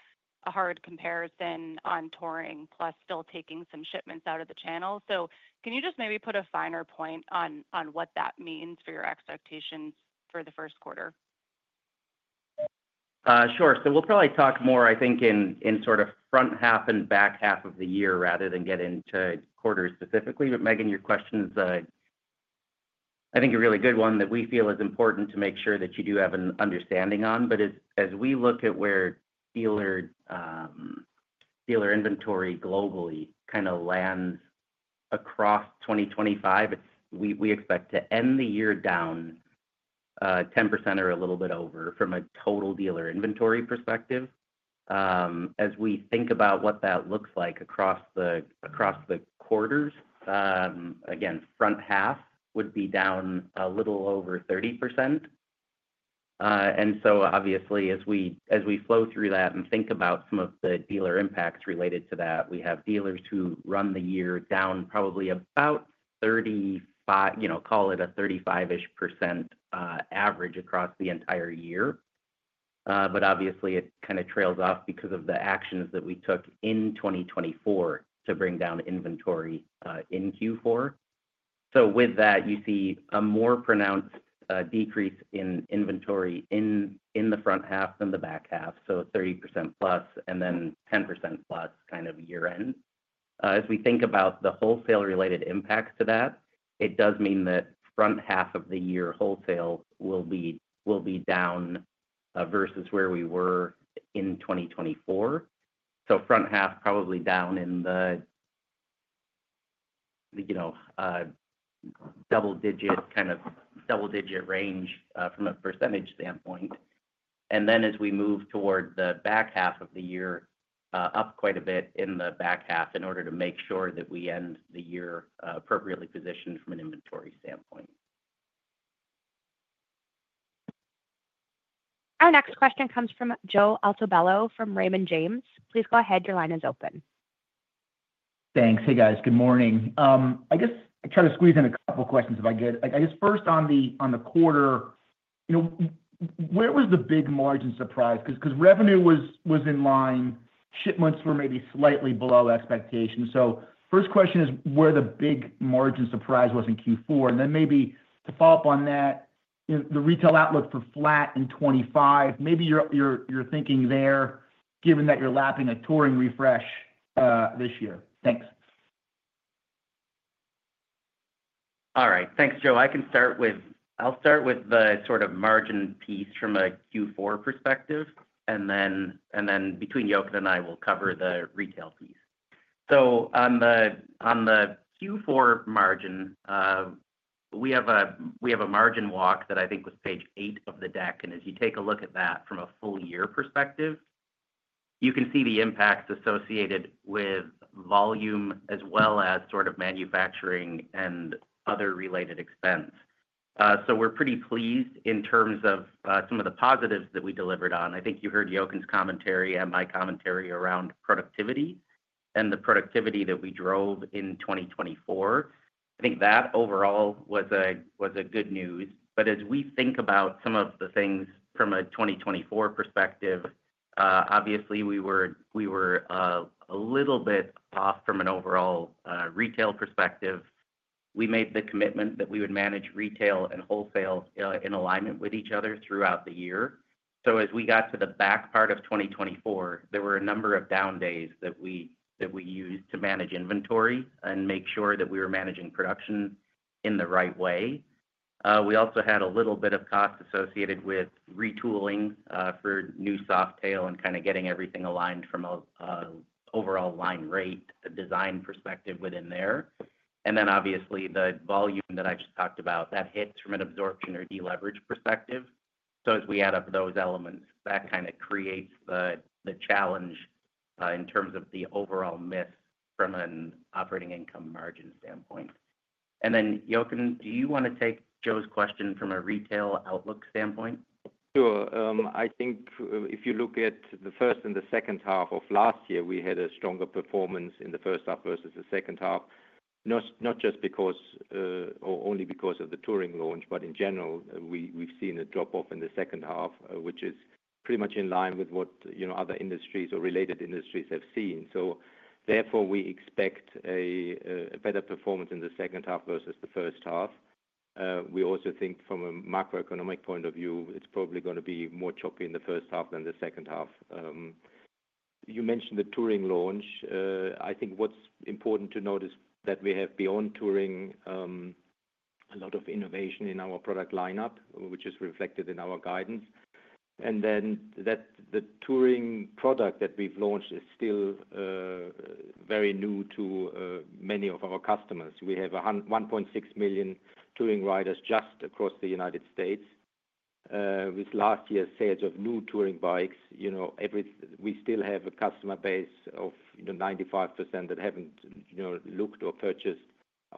Speaker 6: hard comparison on Touring plus still taking some shipments out of the channel. So can you just maybe put a finer point on what that means for your expectations for the first quarter?
Speaker 5: Sure. So we'll probably talk more, I think, in sort of front half and back half of the year rather than get into quarters specifically. But Megan, your question is, I think, a really good one that we feel is important to make sure that you do have an understanding on. But as we look at where dealer inventory globally kind of lands across 2025, we expect to end the year down 10% or a little bit over from a total dealer inventory perspective. As we think about what that looks like across the quarters, again, front half would be down a little over 30%. And so obviously, as we flow through that and think about some of the dealer impacts related to that, we have dealers who run the year down probably about 35, call it a 35-ish% average across the entire year. But obviously, it kind of trails off because of the actions that we took in 2024 to bring down inventory in Q4. So with that, you see a more pronounced decrease in inventory in the front half than the back half. So 30%+ and then 10%+ kind of year-end. As we think about the wholesale-related impacts to that, it does mean that front half of the year wholesale will be down versus where we were in 2024. So front half probably down in the double-digit kind of double-digit range from a percentage standpoint. And then as we move toward the back half of the year, up quite a bit in the back half in order to make sure that we end the year appropriately positioned from an inventory standpoint.
Speaker 1: Our next question comes from Joe Altobello from Raymond James. Please go ahead. Your line is open.
Speaker 7: Thanks. Hey, guys. Good morning. I guess I try to squeeze in a couple of questions if I get it. I guess first on the quarter, where was the big margin surprise? Because revenue was in line, shipments were maybe slightly below expectation. So first question is where the big margin surprise was in Q4. And then maybe to follow up on that, the retail outlook for flat in 2025, maybe you're thinking there given that you're lapping a Touring refresh this year. Thanks.
Speaker 5: All right. Thanks, Joe. I'll start with the sort of margin piece from a Q4 perspective. And then between Jochen and I will cover the retail piece. So on the Q4 margin, we have a margin walk that I think was page eight of the deck. And as you take a look at that from a full year perspective, you can see the impacts associated with volume as well as sort of manufacturing and other related expense. So we're pretty pleased in terms of some of the positives that we delivered on. I think you heard Jochen's commentary and my commentary around productivity and the productivity that we drove in 2024. I think that overall was a good news. But as we think about some of the things from a 2024 perspective, obviously, we were a little bit off from an overall retail perspective. We made the commitment that we would manage retail and wholesale in alignment with each other throughout the year. So as we got to the back part of 2024, there were a number of down days that we used to manage inventory and make sure that we were managing production in the right way. We also had a little bit of cost associated with retooling for new Softail and kind of getting everything aligned from an overall line rate design perspective within there. And then obviously, the volume that I just talked about, that hits from an absorption or deleverage perspective. So as we add up those elements, that kind of creates the challenge in terms of the overall miss from an operating income margin standpoint. And then, Jochen, do you want to take Joe's question from a retail outlook standpoint?
Speaker 3: Sure.I think if you look at the first and the second half of last year, we had a stronger performance in the first half versus the second half, not just because or only because of the Touring launch, but in general, we've seen a drop-off in the second half, which is pretty much in line with what other industries or related industries have seen. So therefore, we expect a better performance in the second half versus the first half. We also think from a macroeconomic point of view, it's probably going to be more choppy in the first half than the second half. You mentioned the Touring launch. I think what's important to note is that we have, beyond Touring, a lot of innovation in our product lineup, which is reflected in our guidance. Then the Touring product that we've launched is still very new to many of our customers. We have 1.6 million Touring riders just across the United States. With last year's sales of new Touring bikes, we still have a customer base of 95% that haven't looked or purchased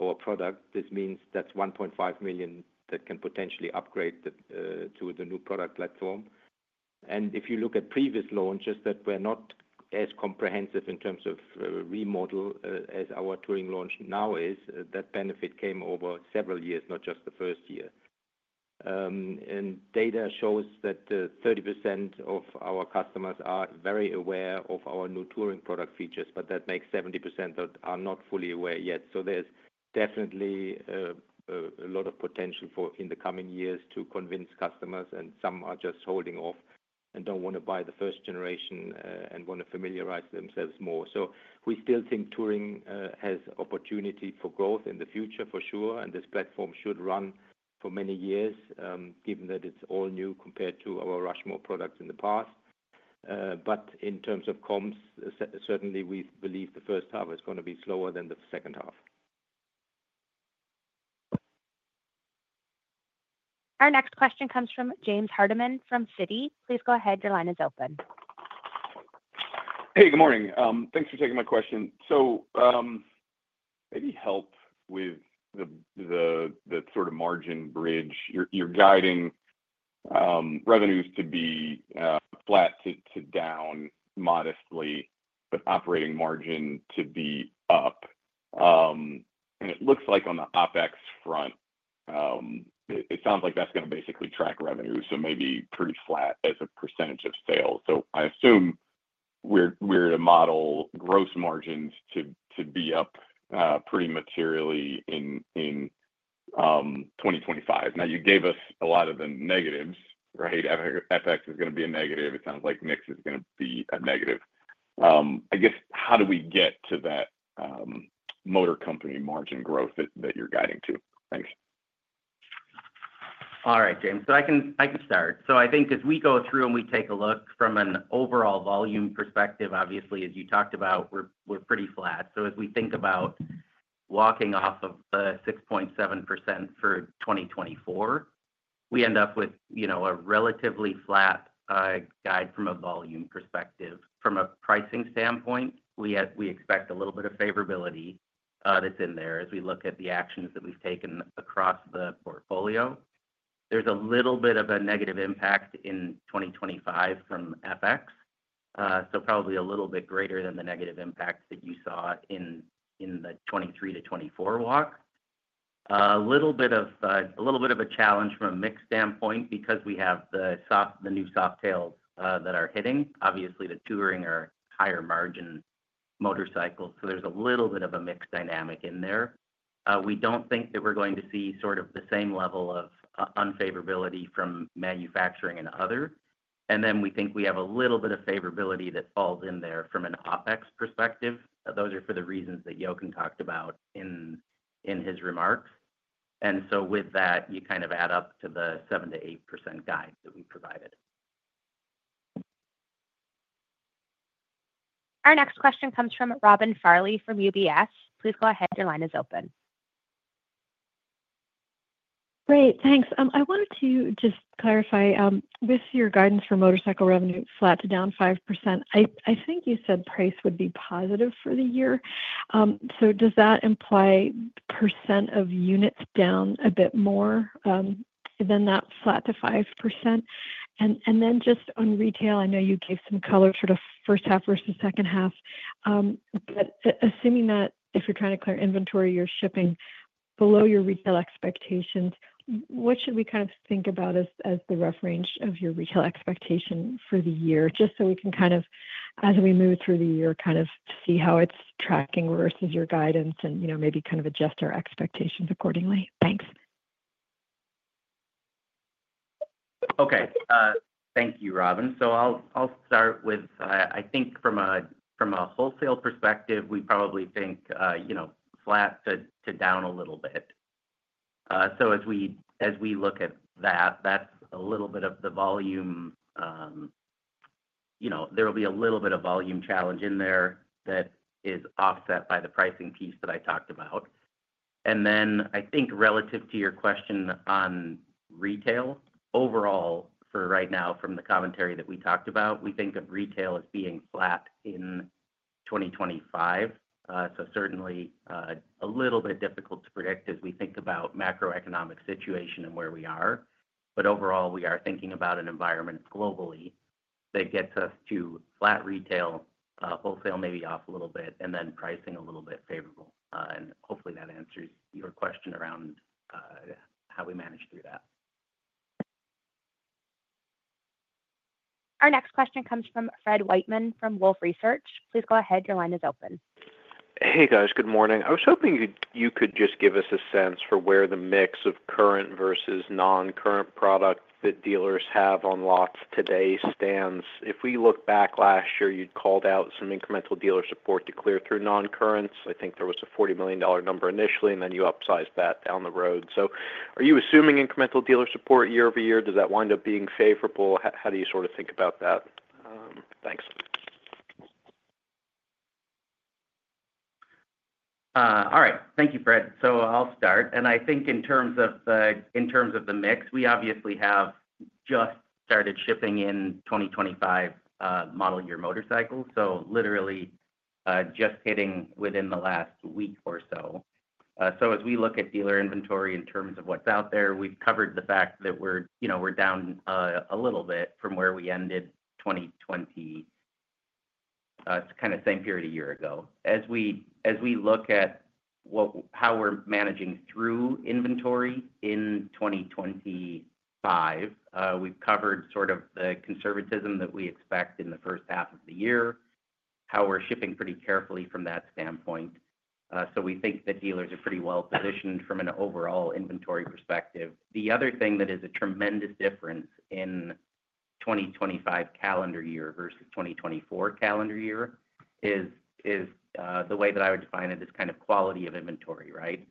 Speaker 3: our product. This means that's 1.5 million that can potentially upgrade to the new product platform. If you look at previous launches that were not as comprehensive in terms of remodel as our Touring launch now is, that benefit came over several years, not just the first year. Data shows that 30% of our customers are very aware of our new Touring product features, but that makes 70% that are not fully aware yet. So there's definitely a lot of potential in the coming years to convince customers, and some are just holding off and don't want to buy the first generation and want to familiarize themselves more. So we still think Touring has opportunity for growth in the future, for sure. And this platform should run for many years, given that it's all new compared to our Rushmore products in the past. But in terms of comms, certainly, we believe the first half is going to be slower than the second half.
Speaker 1: Our next question comes from James Hardiman from Citi. Please go ahead. Your line is open.
Speaker 8: Hey, good morning. Thanks for taking my question. So maybe help with the sort of margin bridge. You're guiding revenues to be flat to down modestly, but operating margin to be up. It looks like on the OpEx front, it sounds like that's going to basically track revenue, so maybe pretty flat as a percentage of sales. I assume we're to model gross margins to be up pretty materially in 2025. Now, you gave us a lot of the negatives, right? FX is going to be a negative. It sounds like mix is going to be a negative. I guess how do we get to that Motor Company margin growth that you're guiding to? Thanks.
Speaker 5: All right, James. I can start. I think as we go through and we take a look from an overall volume perspective, obviously, as you talked about, we're pretty flat. As we think about walking off of the 6.7% for 2024, we end up with a relatively flat guide from a volume perspective. From a pricing standpoint, we expect a little bit of favorability that's in there as we look at the actions that we've taken across the portfolio. There's a little bit of a negative impact in 2025 from FX, so probably a little bit greater than the negative impact that you saw in the 2023 to 2024 walk. A little bit of a challenge from a mix standpoint because we have the new Softails that are hitting. Obviously, the Touring are higher margin motorcycles. So there's a little bit of a mixed dynamic in there. We don't think that we're going to see sort of the same level of unfavorability from manufacturing and other. And then we think we have a little bit of favorability that falls in there from an OpEx perspective. Those are for the reasons that Jochen talked about in his remarks. With that, you kind of add up to the 7%-8% guide that we provided.
Speaker 1: Our next question comes from Robin Farley from UBS. Please go ahead. Your line is open.
Speaker 9: Great. Thanks. I wanted to just clarify. With your guidance for motorcycle revenue flat to down 5%, I think you said price would be positive for the year. So does that imply percent of units down a bit more than that flat to 5%? And then just on retail, I know you gave some color sort of first half versus second half. But assuming that if you're trying to clear inventory, you're shipping below your retail expectations, what should we kind of think about as the rough range of your retail expectation for the year? Just so we can kind of, as we move through the year, kind of see how it's tracking versus your guidance and maybe kind of adjust our expectations accordingly. Thanks.
Speaker 3: Okay. Thank you, Robin. So I'll start with, I think from a wholesale perspective, we probably think flat to down a little bit. So as we look at that, that's a little bit of the volume. There will be a little bit of volume challenge in there that is offset by the pricing piece that I talked about. And then I think relative to your question on retail, overall for right now, from the commentary that we talked about, we think of retail as being flat in 2025. So certainly a little bit difficult to predict as we think about macroeconomic situation and where we are. Overall, we are thinking about an environment globally that gets us to flat retail, wholesale maybe off a little bit, and then pricing a little bit favorable. And hopefully, that answers your question around how we manage through that.
Speaker 1: Our next question comes from Fred Wightman from Wolfe Research. Please go ahead. Your line is open.
Speaker 10: Hey, guys. Good morning. I was hoping you could just give us a sense for where the mix of current versus non-current product that dealers have on lots today stands. If we look back last year, you'd called out some incremental dealer support to clear through non-currents. I think there was a $40 million number initially, and then you upsized that down the road. So are you assuming incremental dealer support year-over-year? Does that wind up being favorable? How do you sort of think about that? Thanks.
Speaker 5: All right. Thank you, Fred. I'll start. I think in terms of the mix, we obviously have just started shipping 2025 model year motorcycles. We literally just started hitting within the last week or so. As we look at dealer inventory in terms of what's out there, we've covered the fact that we're down a little bit from where we ended 2024, kind of same period a year ago. As we look at how we're managing through inventory in 2025, we've covered sort of the conservatism that we expect in the first half of the year, how we're shipping pretty carefully from that standpoint. We think that dealers are pretty well positioned from an overall inventory perspective. The other thing that is a tremendous difference in 2025 calendar year versus 2024 calendar year is the way that I would define it as kind of quality of inventory, right?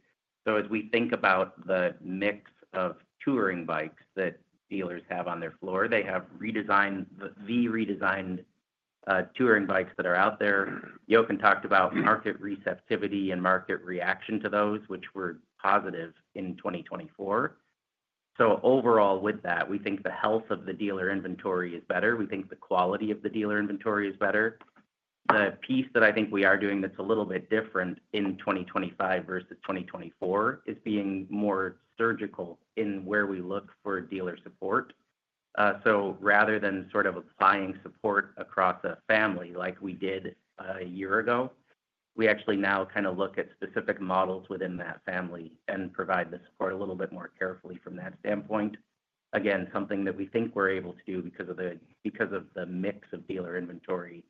Speaker 5: As we think about the mix of Touring bikes that dealers have on their floor, they have the redesigned Touring bikes that are out there. Jochen talked about market receptivity and market reaction to those, which were positive in 2024. Overall with that, we think the health of the dealer inventory is better. We think the quality of the dealer inventory is better. The piece that I think we are doing that's a little bit different in 2025 versus 2024 is being more surgical in where we look for dealer support. Rather than sort of applying support across a family like we did a year ago, we actually now kind of look at specific models within that family and provide the support a little bit more carefully from that standpoint. Again, something that we think we're able to do because of the mix of dealer inventory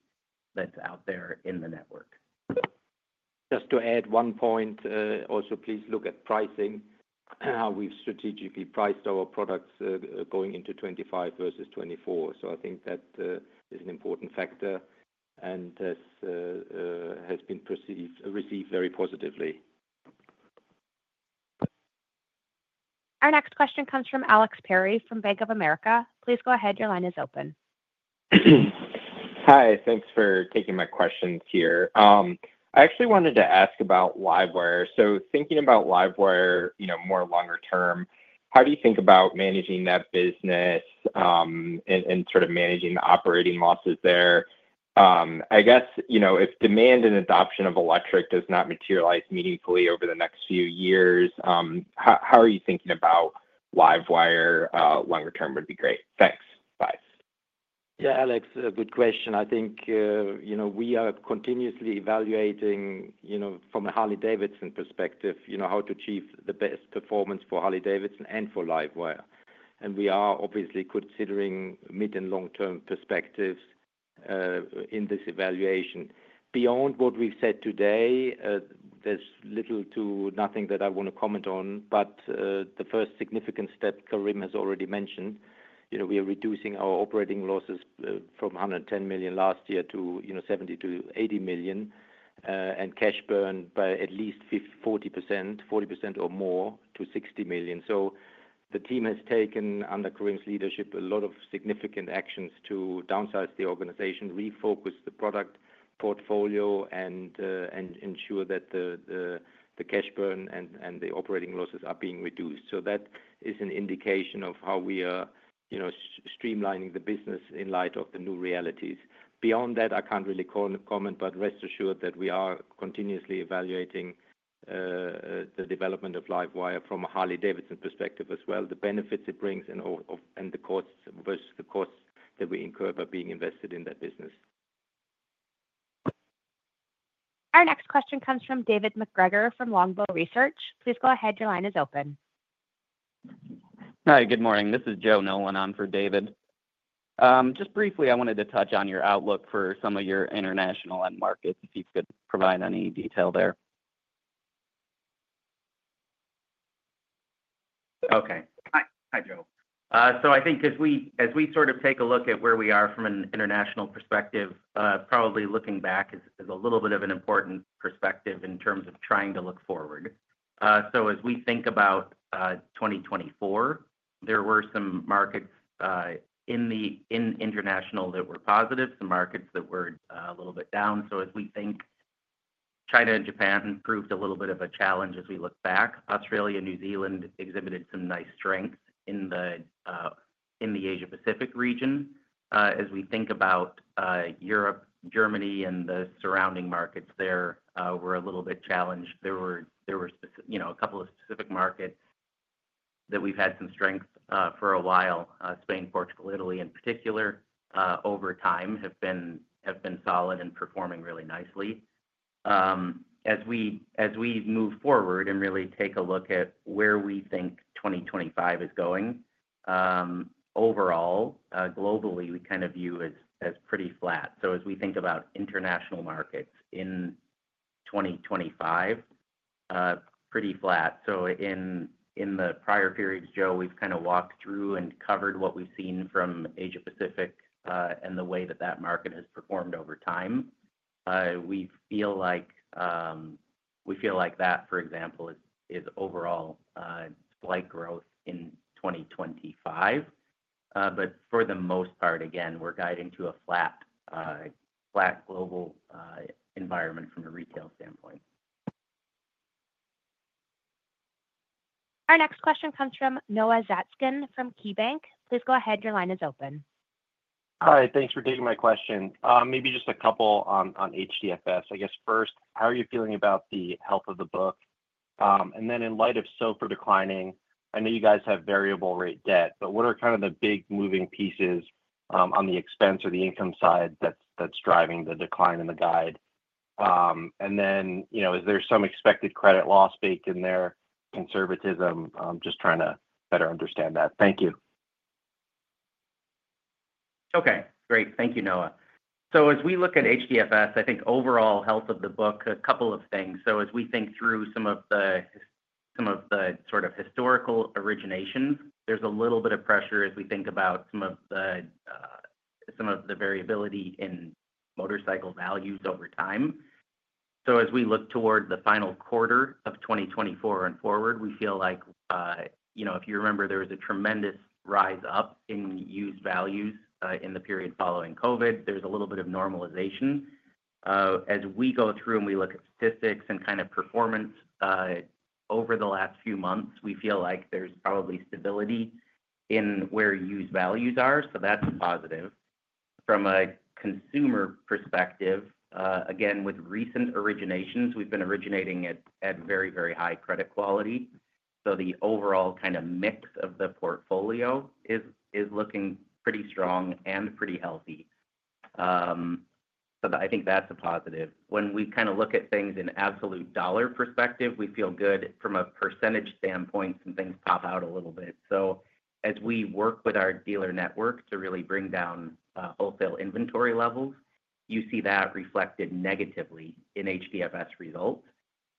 Speaker 5: that's out there in the network.
Speaker 3: Just to add one point, also please look at pricing. How we've strategically priced our products going into 2025 versus 2024. So I think that is an important factor and has been received very positively.
Speaker 1: Our next question comes from Alex Perry from Bank of America. Please go ahead. Your line is open.
Speaker 11: Hi. Thanks for taking my questions here. I actually wanted to ask about LiveWire. So thinking about LiveWire more longer term, how do you think about managing that business and sort of managing the operating losses there? I guess if demand and adoption of electric does not materialize meaningfully over the next few years, how are you thinking about LiveWire? Longer term would be great. Thanks. Bye.
Speaker 3: Yeah, Alex, a good question. I think we are continuously evaluating from a Harley-Davidson perspective how to achieve the best performance for Harley-Davidson and for LiveWire. We are obviously considering mid and long-term perspectives in this evaluation. Beyond what we've said today, there's little to nothing that I want to comment on. The first significant step, Karim has already mentioned, we are reducing our operating losses from $110 million last year to $70 million-$80 million and cash burn by at least 40%, 40% or more to $60 million. The team has taken under Karim's leadership a lot of significant actions to downsize the organization, refocus the product portfolio, and ensure that the cash burn and the operating losses are being reduced. That is an indication of how we are streamlining the business in light of the new realities. Beyond that, I can't really comment, but rest assured that we are continuously evaluating the development of LiveWire from a Harley-Davidson perspective as well, the benefits it brings, and the costs versus the costs that we incur by being invested in that business.
Speaker 1: Our next question comes from David MacGregor from Longbow Research. Please go ahead. Your line is open.
Speaker 12: Hi, good morning. This is Joe Nolan on for David. Just briefly, I wanted to touch on your outlook for some of your international end markets, if you could provide any detail there.
Speaker 3: Okay. Hi, Joe. So I think as we sort of take a look at where we are from an international perspective, probably looking back is a little bit of an important perspective in terms of trying to look forward. So as we think about 2024, there were some markets in international that were positive, some markets that were a little bit down. So as we think, China and Japan proved a little bit of a challenge as we look back. Australia, New Zealand exhibited some nice strength in the Asia-Pacific region. As we think about Europe, Germany, and the surrounding markets there, we're a little bit challenged. There were a couple of specific markets that we've had some strength for a while. Spain, Portugal, Italy, in particular, over time have been solid and performing really nicely. As we move forward and really take a look at where we think 2025 is going, overall, globally, we kind of view as pretty flat. So as we think about international markets in 2025, pretty flat. So in the prior periods, Joe, we've kind of walked through and covered what we've seen from Asia-Pacific and the way that that market has performed over time. We feel like that, for example, is overall slight growth in 2025. But for the most part, again, we're guiding to a flat global environment from a retail standpoint.
Speaker 1: Our next question comes from Noah Zatzkin from KeyBanc. Please go ahead. Your line is open.
Speaker 13: Hi. Thanks for taking my question. Maybe just a couple on HDFS. I guess first, how are you feeling about the health of the book? And then in light of SOFR declining, I know you guys have variable rate debt, but what are kind of the big moving pieces on the expense or the income side that's driving the decline in the guide? And then is there some expected credit loss baked in there? Conservatism, just trying to better understand that. Thank you.
Speaker 3: Okay. Great. Thank you, Noah. So as we look at HDFS, I think overall health of the book, a couple of things. So as we think through some of the sort of historical originations, there's a little bit of pressure as we think about some of the variability in motorcycle values over time. So as we look toward the final quarter of 2024 and forward, we feel like if you remember, there was a tremendous rise up in used values in the period following COVID. There's a little bit of normalization. As we go through and we look at statistics and kind of performance over the last few months, we feel like there's probably stability in where used values are. So that's positive. From a consumer perspective, again, with recent originations, we've been originating at very, very high credit quality. So the overall kind of mix of the portfolio is looking pretty strong and pretty healthy. So I think that's a positive. When we kind of look at things in absolute dollar perspective, we feel good. From a percentage standpoint, some things pop out a little bit. So as we work with our dealer network to really bring down wholesale inventory levels, you see that reflected negatively in HDFS results.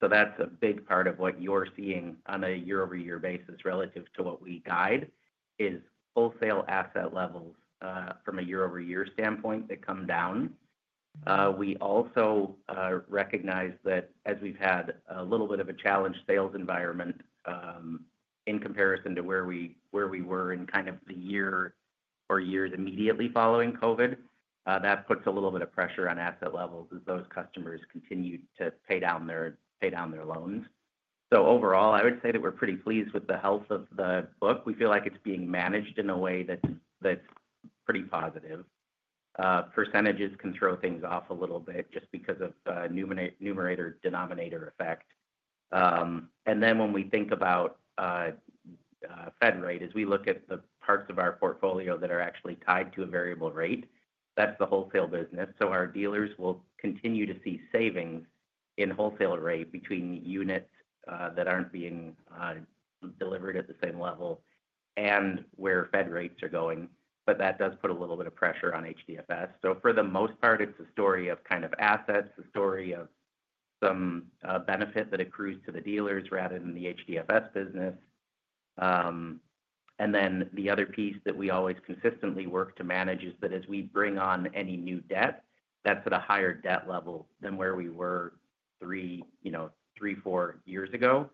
Speaker 3: So that's a big part of what you're seeing on a year-over-year basis relative to what we guide is wholesale asset levels from a year-over-year standpoint that come down. We also recognize that as we've had a little bit of a challenged sales environment in comparison to where we were in kind of the year or years immediately following COVID, that puts a little bit of pressure on asset levels as those customers continue to pay down their loans. Overall, I would say that we're pretty pleased with the health of the book. We feel like it's being managed in a way that's pretty positive. Percentages can throw things off a little bit just because of numerator-denominator effect. When we think about Fed rate, as we look at the parts of our portfolio that are actually tied to a variable rate, that's the wholesale business. Our dealers will continue to see savings in wholesale rate between units that aren't being delivered at the same level and where Fed rates are going. That does put a little bit of pressure on HDFS. For the most part, it's a story of kind of assets, a story of some benefit that accrues to the dealers rather than the HDFS business. And then the other piece that we always consistently work to manage is that as we bring on any new debt, that's at a higher debt level than where we were three, four years ago.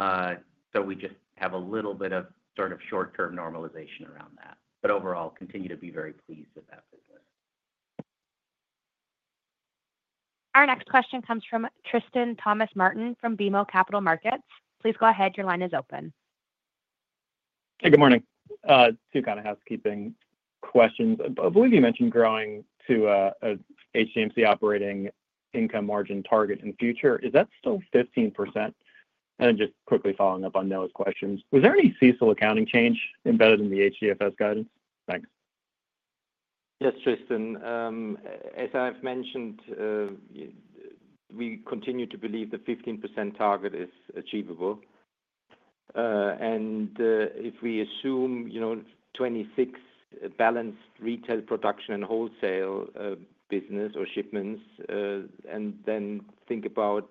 Speaker 3: So we just have a little bit of sort of short-term normalization around that. But overall, we continue to be very pleased with that business.
Speaker 1: Our next question comes from Tristan Thomas-Martin from BMO Capital Markets. Please go ahead. Your line is open.
Speaker 14: Hey, good morning. Two kind of housekeeping questions. I believe you mentioned growing to an HDMC operating income margin target in future. Is that still 15%? And just quickly following up on Noah's questions, was there any CECL accounting change embedded in the HDFS guidance? Thanks.
Speaker 3: Yes, Tristan. As I've mentioned, we continue to believe the 15% target is achievable. And if we assume 2026 balanced retail production and wholesale business or shipments, and then think about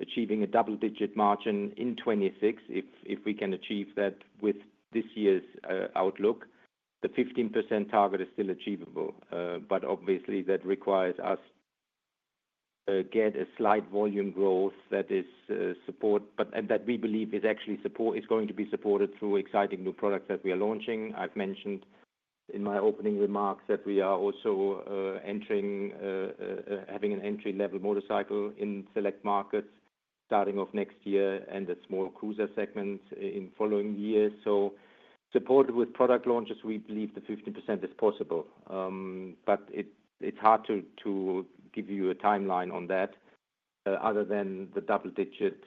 Speaker 3: achieving a double-digit margin in 2026, if we can achieve that with this year's outlook, the 15% target is still achievable. But obviously, that requires us to get a slight volume growth that is support, and that we believe is actually going to be supported through exciting new products that we are launching. I've mentioned in my opening remarks that we are also having an entry-level motorcycle in select markets starting off next year and a small cruiser segment in the following year. So supported with product launches, we believe the 15% is possible. But it's hard to give you a timeline on that other than the double-digit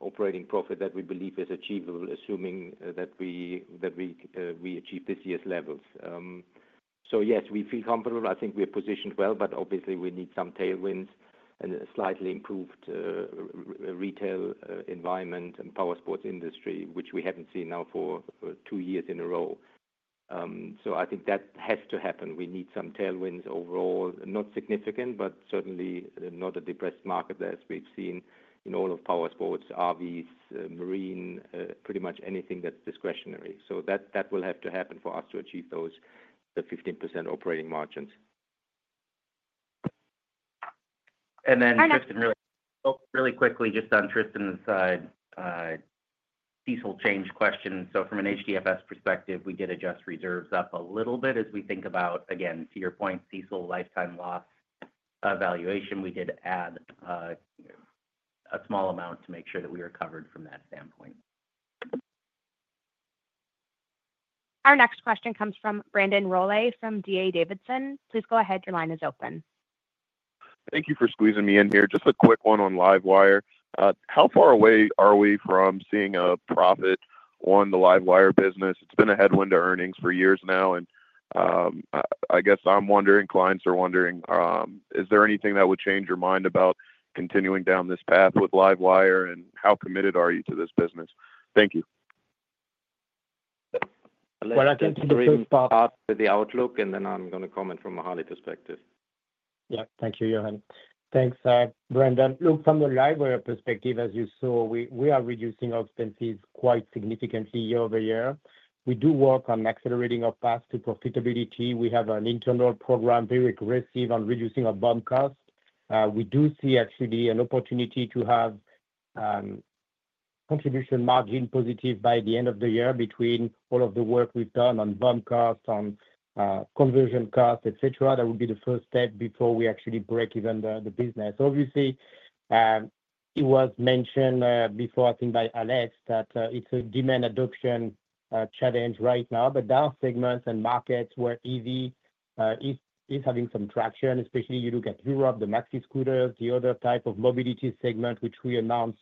Speaker 3: operating profit that we believe is achievable, assuming that we achieve this year's levels. So yes, we feel comfortable. I think we're positioned well, but obviously, we need some tailwinds and a slightly improved retail environment and powersports industry, which we haven't seen now for two years in a row. So I think that has to happen. We need some tailwinds overall, not significant, but certainly not a depressed market as we've seen in all of powersports, RVs, marine, pretty much anything that's discretionary. So that will have to happen for us to achieve those 15% operating margins.
Speaker 5: And then really quickly, just on Tristan's side, CECL change question. So from an HDFS perspective, we did adjust reserves up a little bit as we think about, again, to your point, CECL lifetime loss evaluation. We did add a small amount to make sure that we were covered from that standpoint.
Speaker 1: Our next question comes from Brandon Rollé from D.A. Davidson. Please go ahead. Your line is open.
Speaker 15: Thank you for squeezing me in here. Just a quick one on LiveWire. How far away are we from seeing a profit on the LiveWire business? It's been a headwind to earnings for years now. And I guess I'm wondering, clients are wondering, is there anything that would change your mind about continuing down this path with LiveWire, and how committed are you to this business? Thank you.
Speaker 3: What I can do is just pass the outlook, and then I'm going to comment from a Harley perspective.
Speaker 4: Yeah. Thank you, Jonathan. Thanks, Brandon. Look, from the LiveWire perspective, as you saw, we are reducing our expenses quite significantly year-over-year. We do work on accelerating our path to profitability. We have an internal program very aggressive on reducing our BOM cost. We do see actually an opportunity to have contribution margin positive by the end of the year between all of the work we've done on BOM cost, on conversion cost, etc. That would be the first step before we actually break even the business. Obviously, it was mentioned before, I think, by Alex that it's a demand adoption challenge right now, but our segments and markets where EV is having some traction, especially you look at Europe, the maxi scooters, the other type of mobility segment, which we announced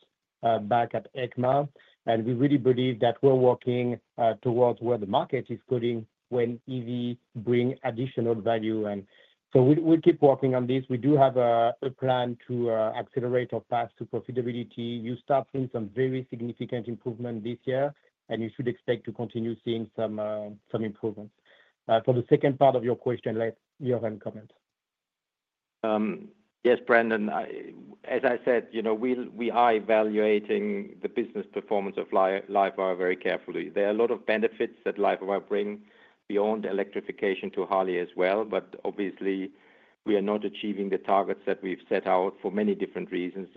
Speaker 4: back at EICMA, and we really believe that we're working towards where the market is putting when EV brings additional value, and so we'll keep working on this. We do have a plan to accelerate our path to profitability. You start seeing some very significant improvement this year, and you should expect to continue seeing some improvements. For the second part of your question, let Jonathan comment.
Speaker 3: Yes, Brandon. As I said, we are evaluating the business performance of LiveWire very carefully. There are a lot of benefits that LiveWire brings beyond electrification to Harley as well. But obviously, we are not achieving the targets that we've set out for many different reasons,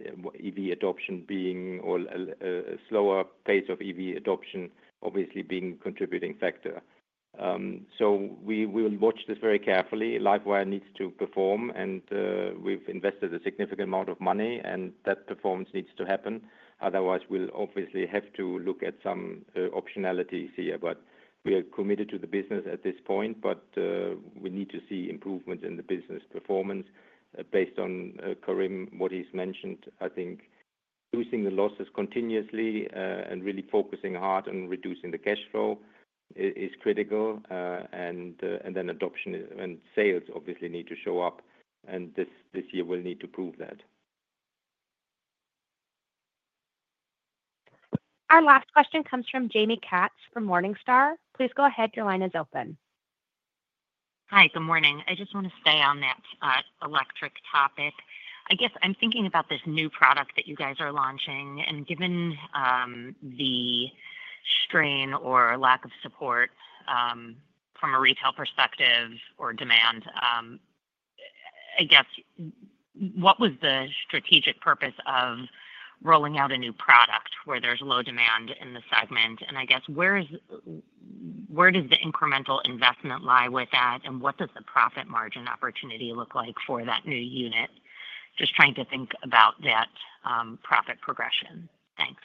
Speaker 3: EV adoption being or a slower pace of EV adoption obviously being a contributing factor. So we will watch this very carefully. LiveWire needs to perform, and we've invested a significant amount of money, and that performance needs to happen. Otherwise, we'll obviously have to look at some optionalities here. But we are committed to the business at this point, but we need to see improvements in the business performance based on Karim, what he's mentioned. I think reducing the losses continuously and really focusing hard on reducing the cash flow is critical. And then adoption and sales obviously need to show up, and this year we'll need to prove that.
Speaker 1: Our last question comes from Jamie Katz from Morningstar. Please go ahead. Your line is open.
Speaker 16: Hi. Good morning. I just want to stay on that electric topic. I guess I'm thinking about this new product that you guys are launching. And given the strain or lack of support from a retail perspective or demand, I guess what was the strategic purpose of rolling out a new product where there's low demand in the segment? And I guess where does the incremental investment lie with that, and what does the profit margin opportunity look like for that new unit? Just trying to think about that profit progression. Thanks.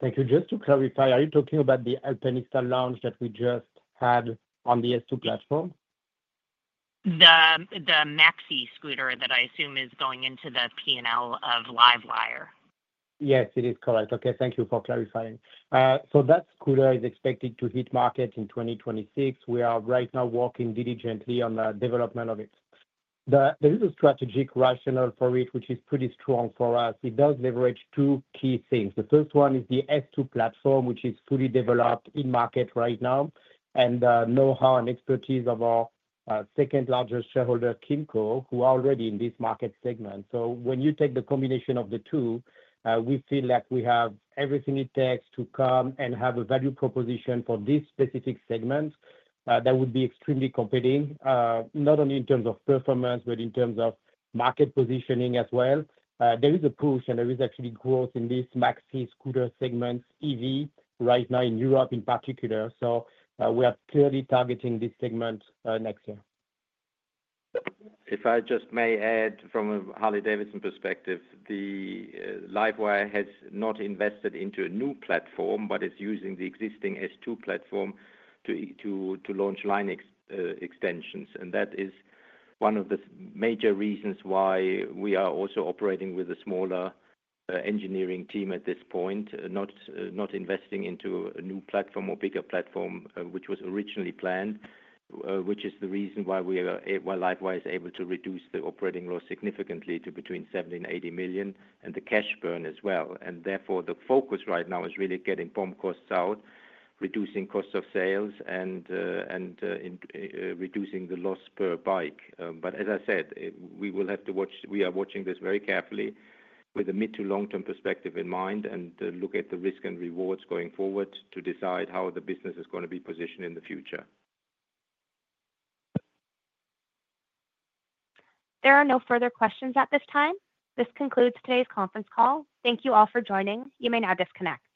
Speaker 4: Thank you. Just to clarify, are you talking about the Alpinista launch that we just had on the S2 platform?
Speaker 16: The maxi scooter that I assume is going into the P&L of LiveWire.
Speaker 4: Yes, it is correct. Okay. Thank you for clarifying. So that scooter is expected to hit market in 2026. We are right now working diligently on the development of it. There is a strategic rationale for it, which is pretty strong for us. It does leverage two key things. The first one is the S2 platform, which is fully developed in market right now, and know-how and expertise of our second-largest shareholder, KYMCO, who are already in this market segment. So when you take the combination of the two, we feel that we have everything it takes to come and have a value proposition for this specific segment that would be extremely competitive, not only in terms of performance, but in terms of market positioning as well. There is a push, and there is actually growth in this maxi scooter segment EV right now in Europe in particular. So we are clearly targeting this segment next year.
Speaker 3: If I just may add from a Harley-Davidson perspective, LiveWire has not invested into a new platform, but it's using the existing S2 platform to launch line extensions. And that is one of the major reasons why we are also operating with a smaller engineering team at this point, not investing into a new platform or bigger platform, which was originally planned, which is the reason why LiveWire is able to reduce the operating loss significantly to between $70 million and $80 million and the cash burn as well. And therefore, the focus right now is really getting BOM costs out, reducing costs of sales, and reducing the loss per bike. But as I said, we will have to watch. We are watching this very carefully with a mid to long-term perspective in mind and look at the risk and rewards going forward to decide how the business is going to be positioned in the future.
Speaker 1: There are no further questions at this time. This concludes today's conference call. Thank you all for joining. You may now disconnect.